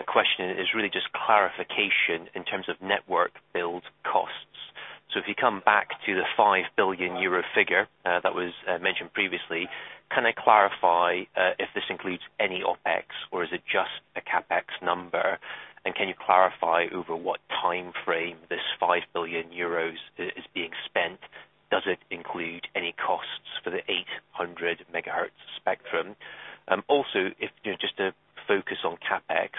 question is really just clarification in terms of network build costs. If you come back to the 5 billion euro figure that was mentioned previously, can I clarify if this includes any OpEx, or is it just a CapEx number? Can you clarify over what timeframe this 5 billion euros is being spent? Does it include any costs for the 800 MHz spectrum? Also, if you know, just to focus on CapEx,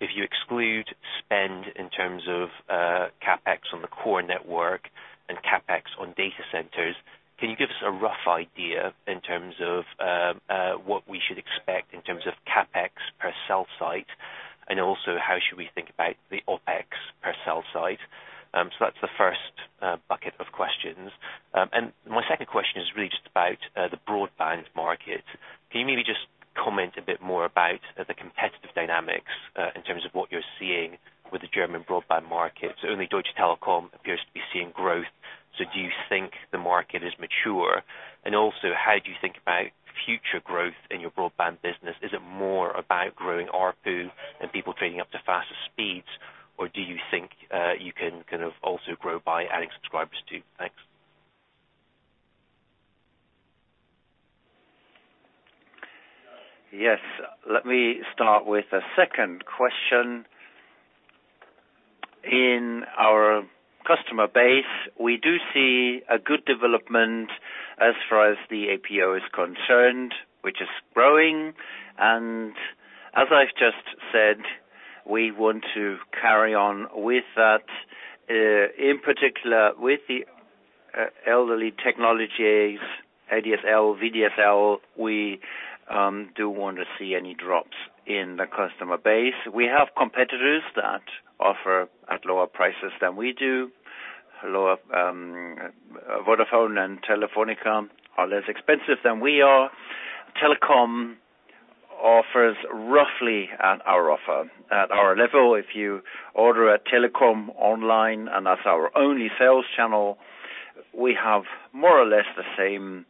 if you exclude spend in terms of CapEx on the core network on data centers. Can you give us a rough idea in terms of what we should expect in terms of CapEx per cell site? How should we think about the OpEx per cell site? That's the first bucket of questions. My second question is really just about the broadband market. Can you maybe just comment a bit more about the competitive dynamics in terms of what you're seeing with the German broadband market? Only Deutsche Telekom appears to be seeing growth. Do you think the market is mature? How do you think about future growth in your broadband business? Is it more about growing ARPU and people trading up to faster speeds, or do you think you can kind of also grow by adding subscribers too? Thanks. Yes. Let me start with the second question. In our customer base, we do see a good development as far as the ARPU is concerned, which is growing. As I've just said, we want to carry on with that. In particular, with the legacy technologies, ADSL, VDSL, we do not want to see any drops in the customer base. We have competitors that offer at lower prices than we do. Vodafone and Telefónica are less expensive than we are. Telecom offers roughly at our offer. At our level, if you order a Telecom online, and that's our only sales channel, we have more or less the same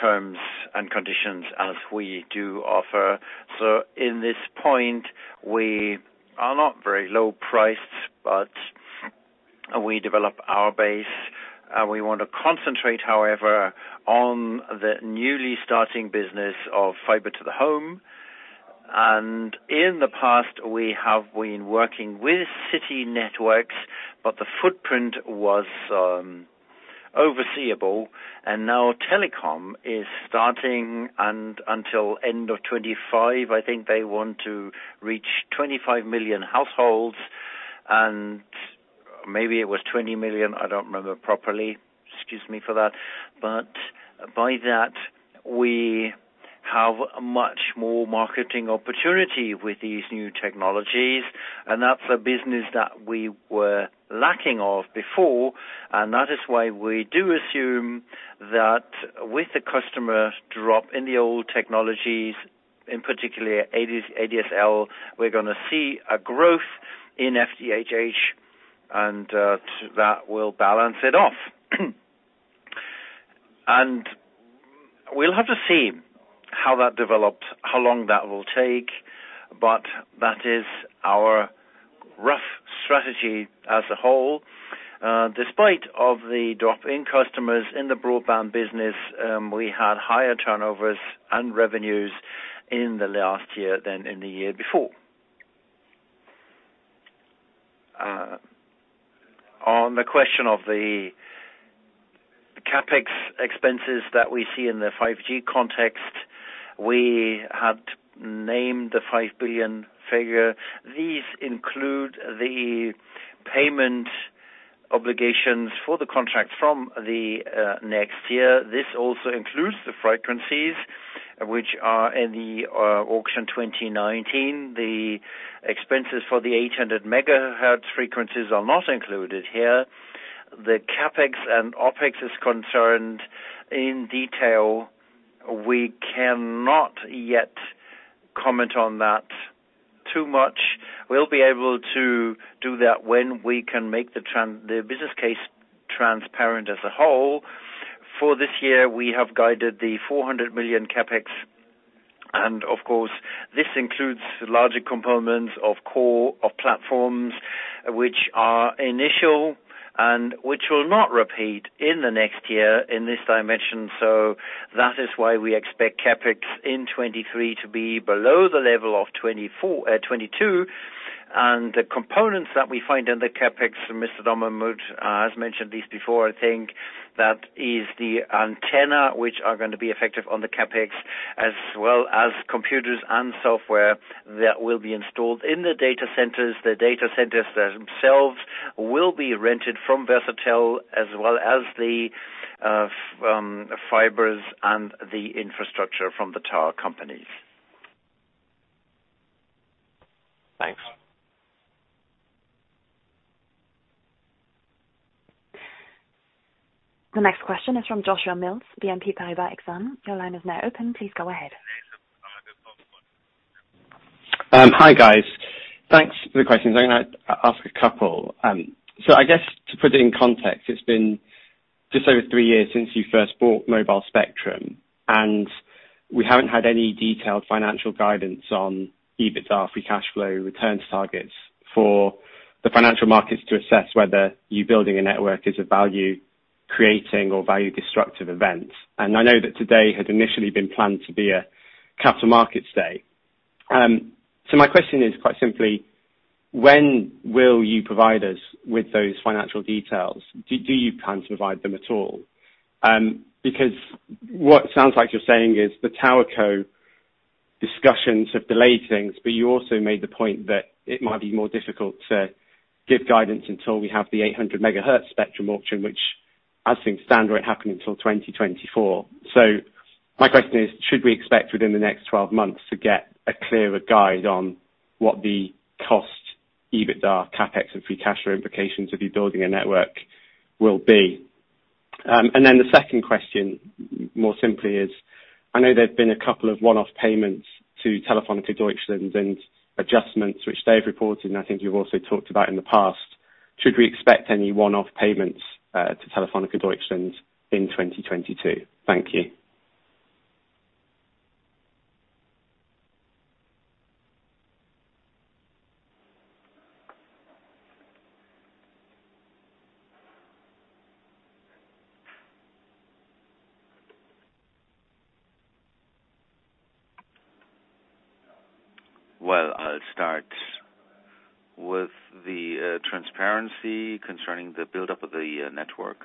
terms and conditions as we do offer. In this point, we are not very low priced, but we develop our base. We want to concentrate, however, on the newly starting business of fiber to the home. In the past, we have been working with city networks, but the footprint was overseeable. Now Telekom is starting, and until end of 2025, I think they want to reach 25 million households, and maybe it was 20 million, I don't remember properly. Excuse me for that. By that, we have much more marketing opportunity with these new technologies, and that's a business that we were lacking of before. That is why we do assume that with the customer drop in the old technologies, in particular ADSL, we're gonna see a growth in FTTH, and that will balance it off. We'll have to see how that develops, how long that will take, but that is our rough strategy as a whole. Despite of the drop in customers in the broadband business, we had higher turnovers and revenues in the last year than in the year before. On the question of the CapEx expenses that we see in the 5G context, we had named the 5 billion figure. These include the payment obligations for the contract from the next year. This also includes the frequencies which are in the auction 2019. The expenses for the 800 MHz frequencies are not included here. The CapEx and OpEx is concerned in detail. We cannot yet comment on that too much. We'll be able to do that when we can make the business case transparent as a whole. For this year, we have guided 400 million CapEx, and of course, this includes larger components of core of platforms which are initial and which will not repeat in the next year in this dimension. That is why we expect CapEx in 2023 to be below the level of 2024, 2022. The components that we find in the CapEx, Mr. Dommermuth has mentioned this before, I think, that is the antenna which are gonna be effective on the CapEx, as well as computers and software that will be installed in the data centers. The data centers themselves will be rented from Versatel as well as the fibers and the infrastructure from the tower companies. Thanks. The next question is from Joshua Mills, BNP Paribas Exane. Your line is now open. Please go ahead. Hi guys. Thanks for the questions. I'm gonna ask a couple. I guess to put it in context, it's been just over three years since you first bought mobile spectrum, and we haven't had any detailed financial guidance on EBITDA free cash flow returns targets for the financial markets to assess whether you building a network is a value creating or value destructive event. I know that today had initially been planned to be a capital markets day. My question is quite simply, when will you provide us with those financial details? Do you plan to provide them at all? Because what sounds like you're saying is the telco discussions have delayed things, but you also made the point that it might be more difficult to give guidance until we have the 800 MHz spectrum auction, which I think isn't happening until 2024. My question is, should we expect within the next 12 months to get a clearer guidance on what the cost, EBITDA, CapEx, and free cash flow implications of you building a network will be? The second question more simply is, I know there have been a couple of one-off payments to Telefónica Deutschland and adjustments which they've reported, and I think you've also talked about in the past. Should we expect any one-off payments to Telefónica Deutschland in 2022? Thank you. Well, I'll start. With the transparency concerning the buildup of the network.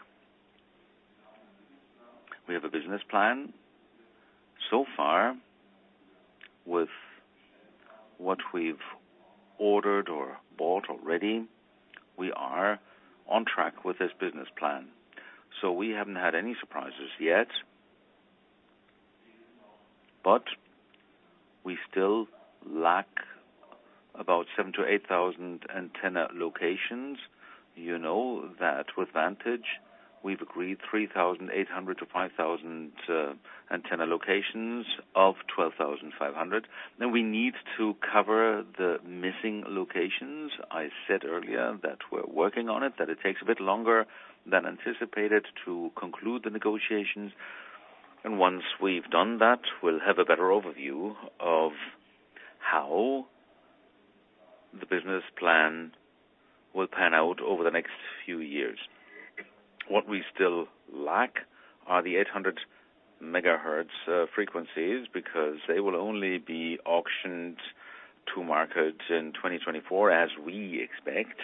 We have a business plan. Far, with what we've ordered or bought already, we are on track with this business plan. We haven't had any surprises yet. We still lack about 7,000-8,000 antenna locations. You know that with Vantage Towers, we've agreed 3,800-5,000 antenna locations of 12,500. We need to cover the missing locations. I said earlier that we're working on it, that it takes a bit longer than anticipated to conclude the negotiations. Once we've done that, we'll have a better overview of how the business plan will pan out over the next few years. What we still lack are the 800 MHz frequencies because they will only be auctioned to market in 2024, as we expect.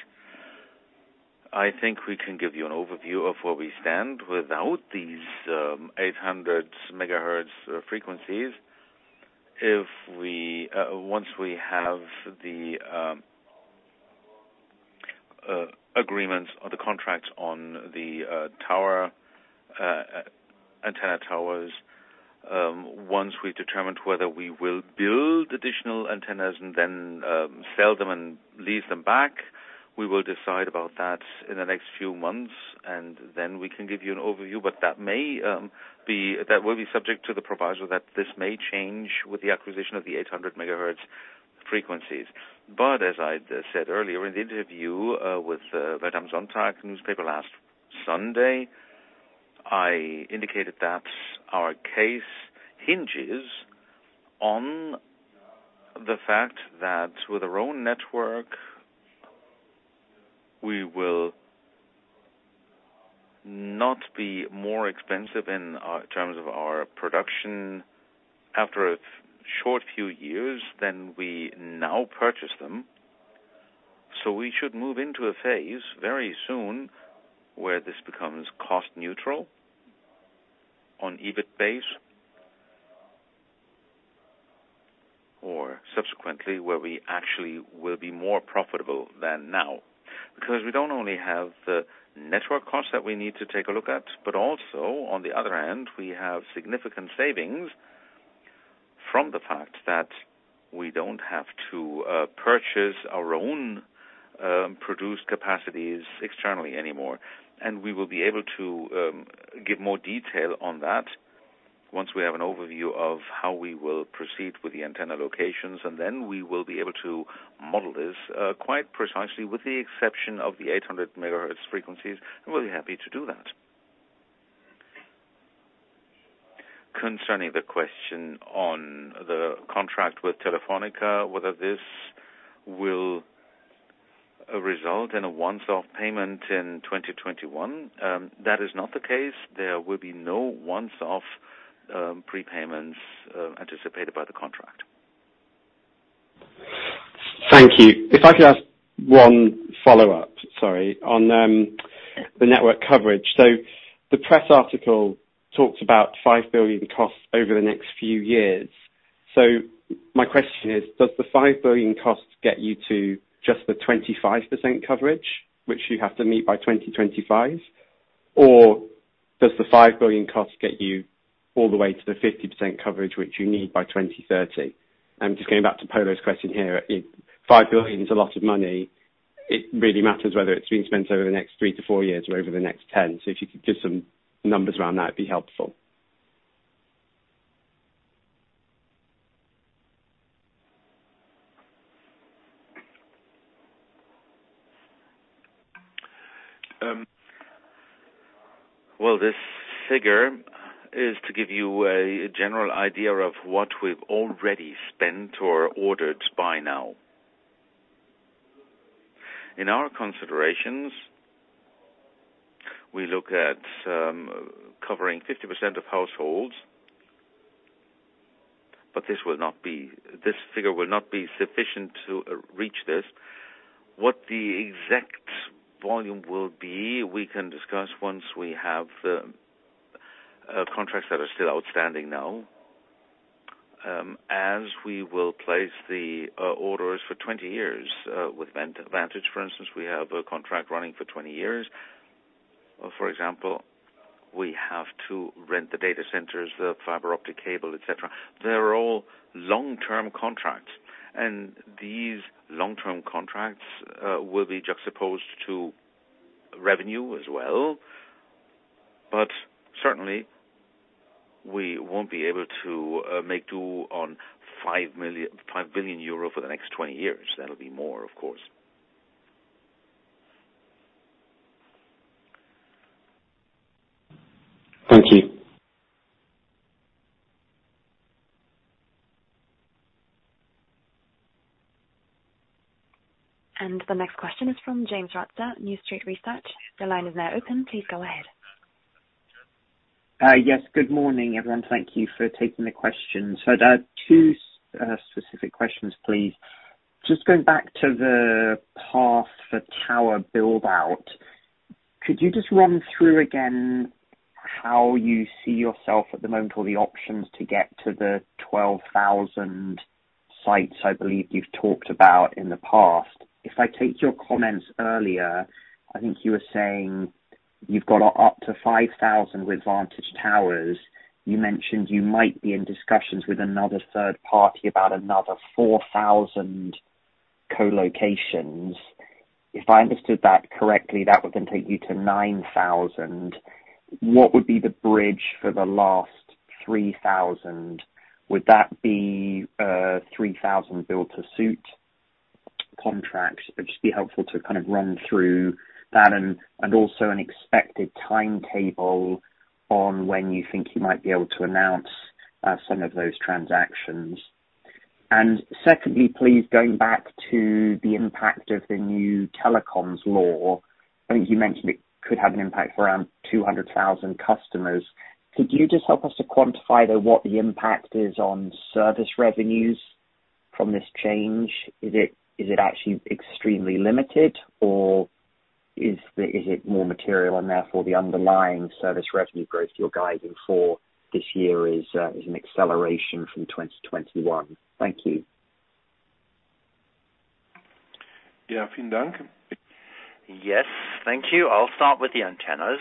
I think we can give you an overview of where we stand without these 800 MHz frequencies. If once we have the agreements or the contracts on the tower antenna towers, once we've determined whether we will build additional antennas and then sell them and lease them back, we will decide about that in the next few months, and then we can give you an overview. That will be subject to the proviso that this may change with the acquisition of the 800 MHz frequencies. As I'd said earlier in the interview with Welt am Sonntag newspaper last Sunday, I indicated that our case hinges on the fact that with our own network, we will not be more expensive in terms of our production after a short few years than we now purchase them. We should move into a phase very soon where this becomes cost neutral on EBIT basis. Subsequently, we actually will be more profitable than now. Because we don't only have the network costs that we need to take a look at, but also, on the other hand, we have significant savings from the fact that we don't have to purchase our own produced capacities externally anymore. We will be able to give more detail on that once we have an overview of how we will proceed with the antenna locations. We will be able to model this quite precisely, with the exception of the 800 MHz frequencies. We'll be happy to do that. Concerning the question on the contract with Telefónica, whether this will result in a one-off payment in 2021, that is not the case. There will be no one-off prepayments anticipated by the contract. Thank you. If I could ask 1 follow-up, sorry, on the network coverage. The press article talks about 5 billion costs over the next few years. My question is, does the 5 billion costs get you to just the 25% coverage, which you have to meet by 2025? Or does the 5 billion costs get you all the way to the 50% coverage, which you need by 2030? Just going back to Polo's question here, 5 billion is a lot of money. It really matters whether it's being spent over the next three to four years or over the next 10. If you could give some numbers around that, it'd be helpful. Well, this figure is to give you a general idea of what we've already spent or ordered by now. In our considerations, we look at covering 50% of households. This figure will not be sufficient to reach this. What the exact volume will be, we can discuss once we have contracts that are still outstanding now. As we will place the orders for 20 years with Vantage, for instance, we have a contract running for 20 years. For example, we have to rent the data centers, the fiber optic cable, et cetera. They're all long-term contracts. These long-term contracts will be juxtaposed to revenue as well. Certainly, we won't be able to make do on 5 billion euro for the next 20 years. That'll be more, of course. Thank you. The next question is from James Ratzer, New Street Research. Your line is now open. Please go ahead. Yes. Good morning, everyone. Thank you for taking the question. I'd have two specific questions, please. Just going back to the path for tower build out, could you just run through again how you see yourself at the moment or the options to get to the 12,000 sites I believe you've talked about in the past? If I take your comments earlier, I think you were saying you've got up to 5,000 with Vantage Towers. You mentioned you might be in discussions with another third party about another 4,000 co-locations. If I understood that correctly, that would then take you to 9,000. What would be the bridge for the last 3,000? Would that be 3,000 build-to-suit contracts? It'd just be helpful to kind of run through that and also an expected timetable on when you think you might be able to announce some of those transactions. Secondly, please, going back to the impact of the new telecoms law, I think you mentioned it could have an impact for around 200,000 customers. Could you just help us to quantify, though, what the impact is on service revenues from this change? Is it actually extremely limited or is it more material and therefore the underlying service revenue growth you're guiding for this year is an acceleration from 2021? Thank you. Yeah. Yes. Thank you. I'll start with the antennas.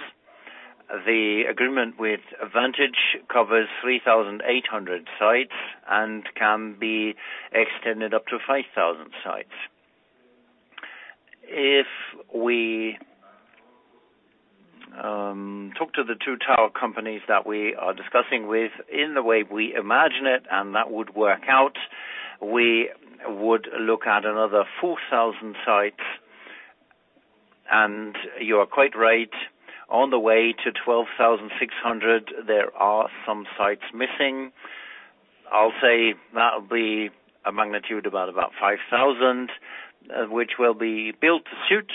The agreement with Vantage covers 3,800 sites and can be extended up to 5,000 sites. If we talk to the two tower companies that we are discussing with in the way we imagine it, and that would work out, we would look at another 4,000 sites. You are quite right, on the way to 12,600, there are some sites missing. I'll say that'll be a magnitude about 5,000, which will be built to suit.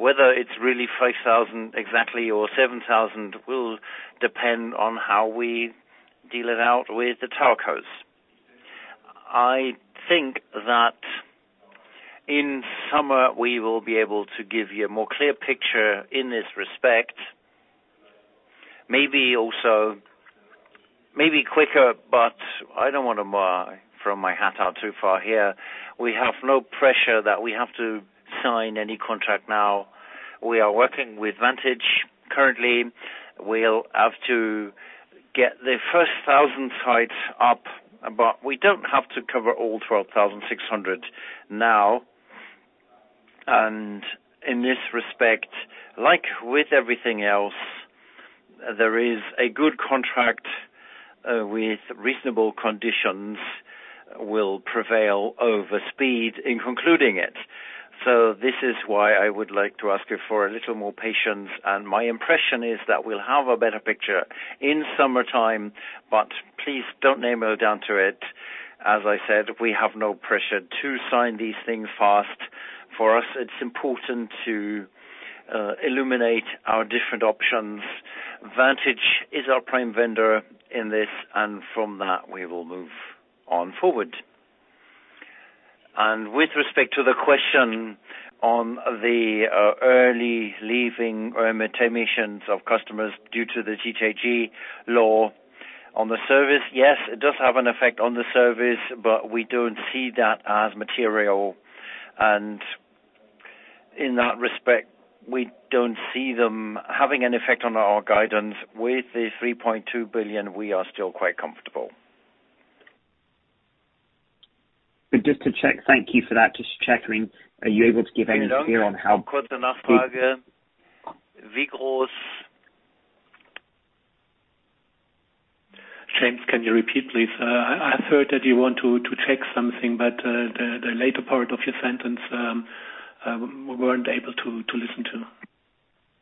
Whether it's really 5,000 exactly or 7,000 will depend on how we deal it out with the telcos. I think that in summer, we will be able to give you a more clear picture in this respect. Maybe also, maybe quicker, but I don't wanna throw my hat out too far here. We have no pressure that we have to sign any contract now. We are working with Vantage currently. We'll have to get the first 1,000 sites up, but we don't have to cover all 12,600 now. In this respect, like with everything else, there is a good contract with reasonable conditions will prevail over speed in concluding it. This is why I would like to ask you for a little more patience, and my impression is that we'll have a better picture in summertime, but please don't nail me down to it. As I said, we have no pressure to sign these things fast. For us, it's important to illuminate our different options. Vantage is our prime vendor in this, and from that, we will move on forward. With respect to the question on the early leaving, emissions of customers due to the TKG law on the service, yes, it does have an effect on the service, but we don't see that as material. In that respect, we don't see them having an effect on our guidance. With the 3.2 billion, we are still quite comfortable. Just to check. Thank you for that. Just checking. Are you able to give any view on how? James, can you repeat, please? I heard that you want to check something, but the later part of your sentence, we weren't able to listen to.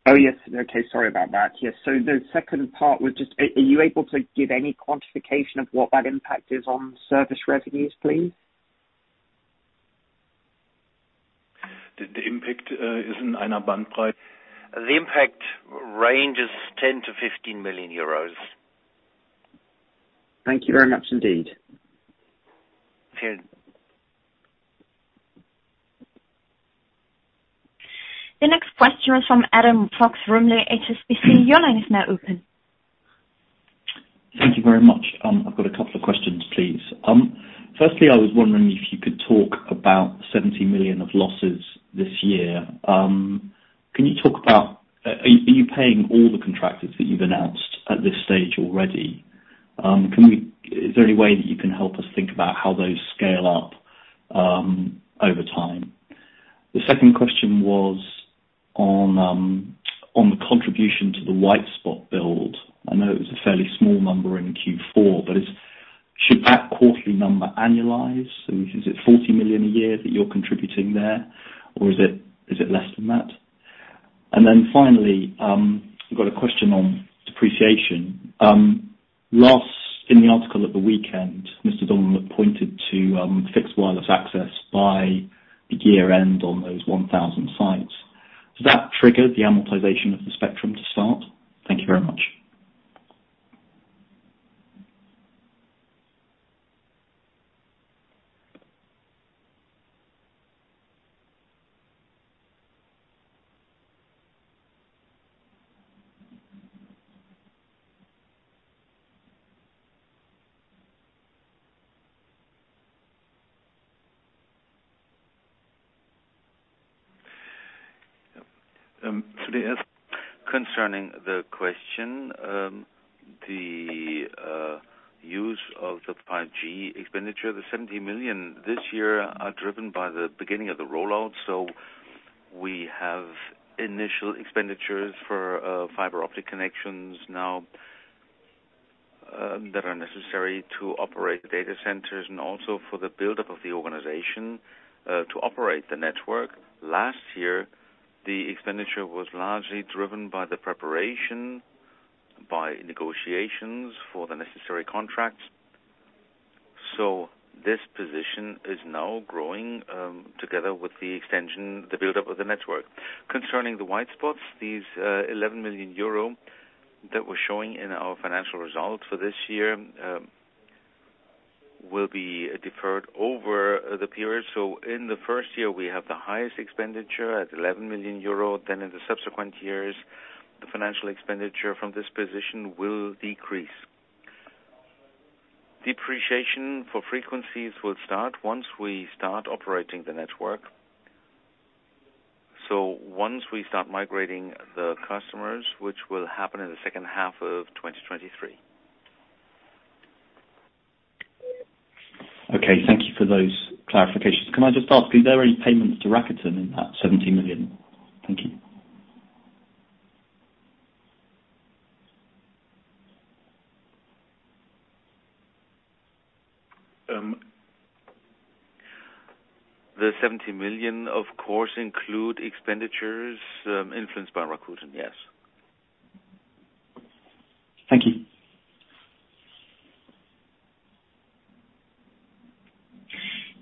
Oh, yes. Okay. Sorry about that. Yes. The second part was just, are you able to give any quantification of what that impact is on service revenues, please? The impact range is 10 million-15 million euros. Thank you very much indeed. The next question is from Adam Fox-Rumley, HSBC. Your line is now open. Thank you very much. I've got a couple of questions, please. Firstly, I was wondering if you could talk about 70 million of losses this year. Can you talk about are you paying all the contractors that you've announced at this stage already? Is there any way that you can help us think about how those scale up over time? The second question was on the contribution to the white spot build. I know it was a fairly small number in Q4, but should that quarterly number annualize? So is it 40 million a year that you're contributing there, or is it less than that? Finally, I've got a question on depreciation. Last in the article at the weekend, Mr. Dommermuth pointed to fixed wireless access by year-end on those 1,000 sites. Does that trigger the amortization of the spectrum to start? Thank you very much. Concerning the question, the use of the 5G expenditure. The 70 million this year are driven by the beginning of the rollout. We have initial expenditures for fiber optic connections now that are necessary to operate the data centers and also for the buildup of the organization to operate the network. Last year, the expenditure was largely driven by the preparation by negotiations for the necessary contracts. This position is now growing together with the extension, the buildup of the network. Concerning the white spots, these 11 million euro that we're showing in our financial results for this year will be deferred over the period. In the first year we have the highest expenditure at 11 million euro. Then in the subsequent years, the financial expenditure from this position will decrease. Depreciation for frequencies will start once we start operating the network. Once we start migrating the customers, which will happen in the second half of 2023. Okay. Thank you for those clarifications. Can I just ask, is there any payments to Rakuten in that 70 million? Thank you. The 70 million of course include expenditures influenced by Rakuten, yes. Thank you.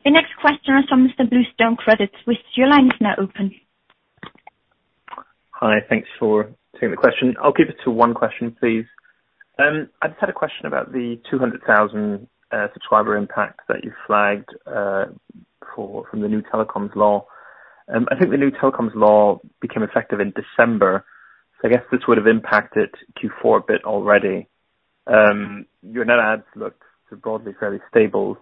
The next question is from Mr. [inaudible] Your line is now open. Hi. Thanks for taking the question. I'll keep it to one question, please. I just had a question about the 200,000 subscriber impact that you flagged from the new telecoms law. I think the new telecoms law became effective in December, so I guess this would've impacted Q4 a bit already. Your net adds look broadly fairly stable.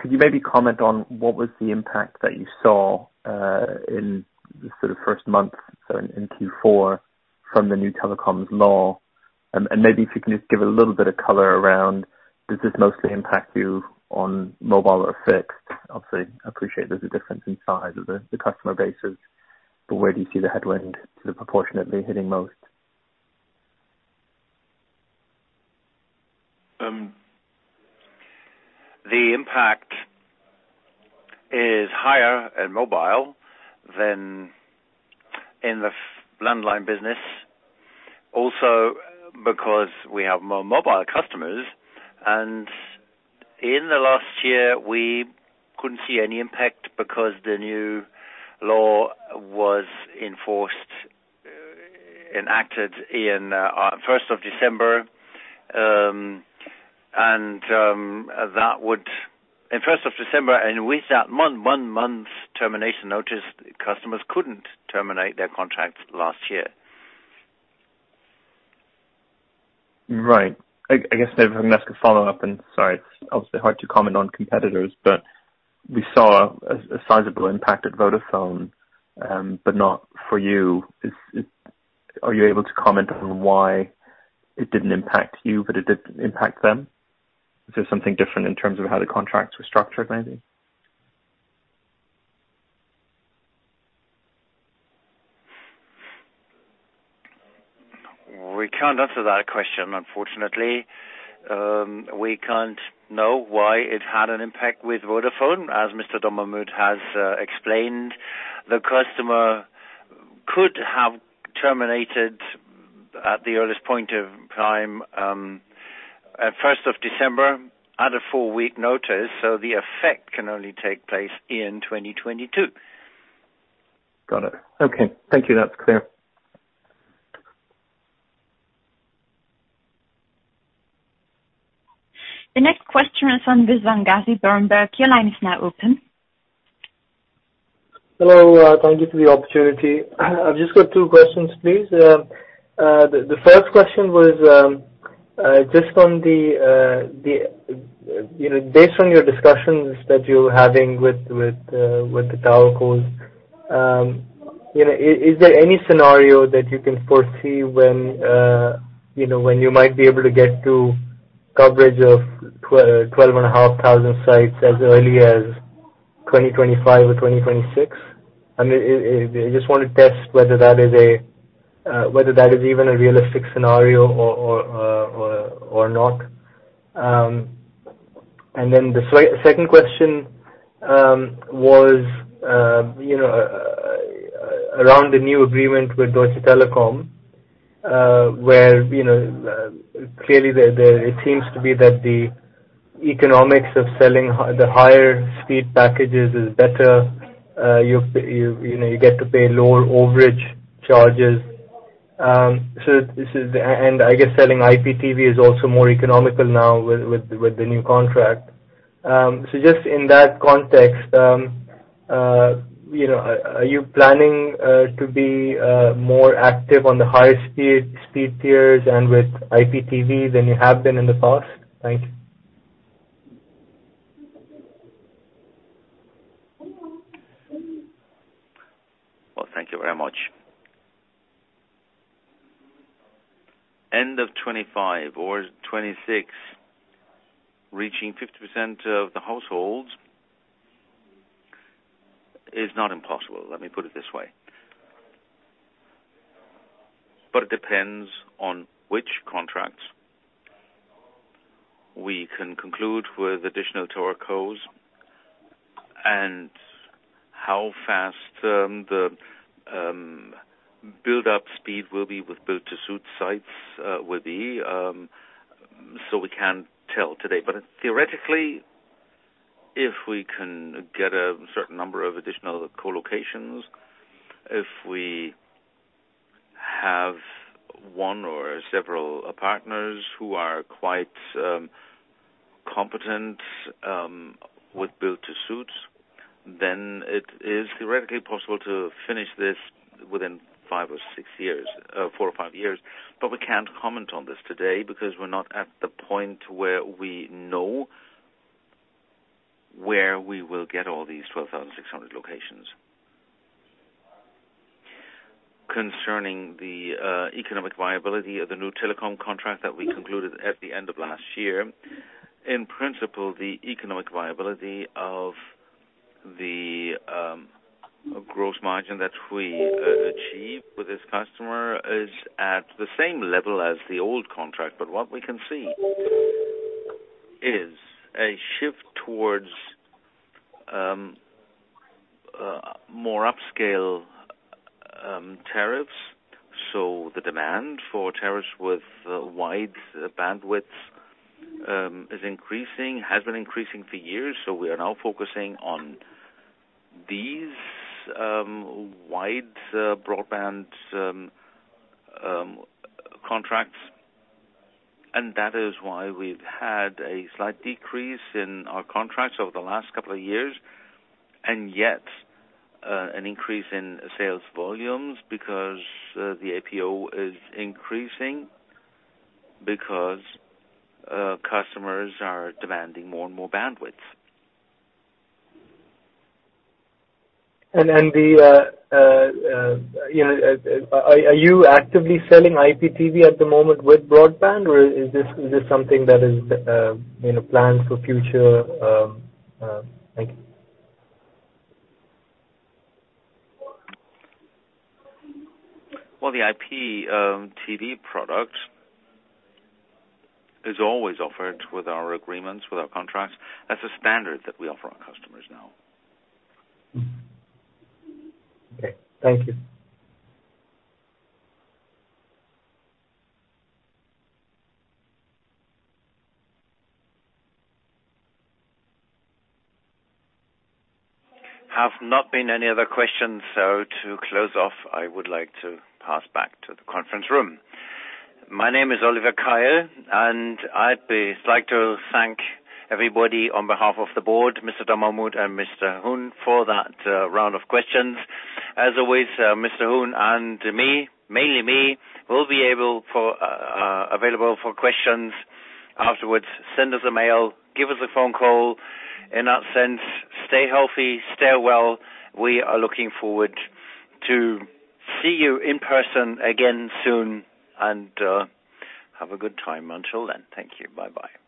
Could you maybe comment on what was the impact that you saw in the sort of first month, so in Q4 from the new telecoms law? Maybe if you can just give a little bit of color around does this mostly impact you on mobile or fixed? Obviously, I appreciate there's a difference in size of the customer bases, but where do you see the headwind sort of proportionately hitting most? The impact is higher in mobile than in the landline business also because we have more mobile customers. In the last year we couldn't see any impact because the new law was enforced, enacted in first of December. In first of December and with that one month's termination notice, customers couldn't terminate their contracts last year. Right. I guess then I'm gonna ask a follow-up, sorry, it's obviously hard to comment on competitors, but we saw a sizable impact at Vodafone, but not for you. Are you able to comment on why it didn't impact you but it did impact them? Is there something different in terms of how the contracts were structured, maybe? We can't answer that question, unfortunately. We can't know why it had an impact with Vodafone. As Mr. Dommermuth has explained, the customer could have terminated at the earliest point of time, first of December at a four-week notice. The effect can only take place in 2022. Got it. Okay. Thank you. That's clear. The next question is from Usman Ghazi, Berenberg. Your line is now open. Hello. Thank you for the opportunity. I've just got two questions, please. The first question was, you know, based on your discussions that you're having with the telcos, you know, is there any scenario that you can foresee when you know, when you might be able to get to coverage of 12,500 sites as early as 2025 or 2026? I mean, I just wanna test whether that is even a realistic scenario or not. The second question was, you know, around the new agreement with Deutsche Telekom, where, you know, clearly it seems to be that the economics of selling the higher speed packages is better. You know, you get to pay lower overage charges. This is and I guess selling IPTV is also more economical now with the new contract. Just in that context, you know, are you planning to be more active on the higher speed tiers and with IPTV than you have been in the past? Thank you. Well, thank you very much. End of 2025 or 2026, reaching 50% of the households is not impossible. Let me put it this way. It depends on which contracts we can conclude with additional telcos and how fast the build-up speed will be with build to suit sites. We can't tell today. Theoretically, if we can get a certain number of additional co-locations, if we have one or several partners who are quite competent with build to suit, then it is theoretically possible to finish this within five or six years, four or five years. We can't comment on this today because we're not at the point where we know where we will get all these 12,600 locations. Concerning the economic viability of the new telecom contract that we concluded at the end of last year. In principle, the economic viability of the gross margin that we achieve with this customer is at the same level as the old contract. What we can see is a shift towards more upscale tariffs. The demand for tariffs with wide bandwidth is increasing, has been increasing for years, so we are now focusing on these wide broadband contracts. That is why we've had a slight decrease in our contracts over the last couple of years, and yet an increase in sales volumes because the ARPU is increasing because customers are demanding more and more bandwidth. You know, are you actively selling IPTV at the moment with broadband, or is this something that is you know planned for future? Thank you. Well, the IPTV product is always offered with our agreements, with our contracts. That's a standard that we offer our customers now. Okay. Thank you. Have not been any other questions, so to close off, I would like to pass back to the conference room. My name is Oliver Keil, and I'd like to thank everybody on behalf of the board, Mr. Dommermuth and Mr. Huhn, for that round of questions. As always, Mr. Huhn and me, mainly me, will be available for questions afterwards. Send us a mail, give us a phone call. In that sense, stay healthy, stay well. We are looking forward to see you in person again soon, and have a good time until then. Thank you. Bye-bye.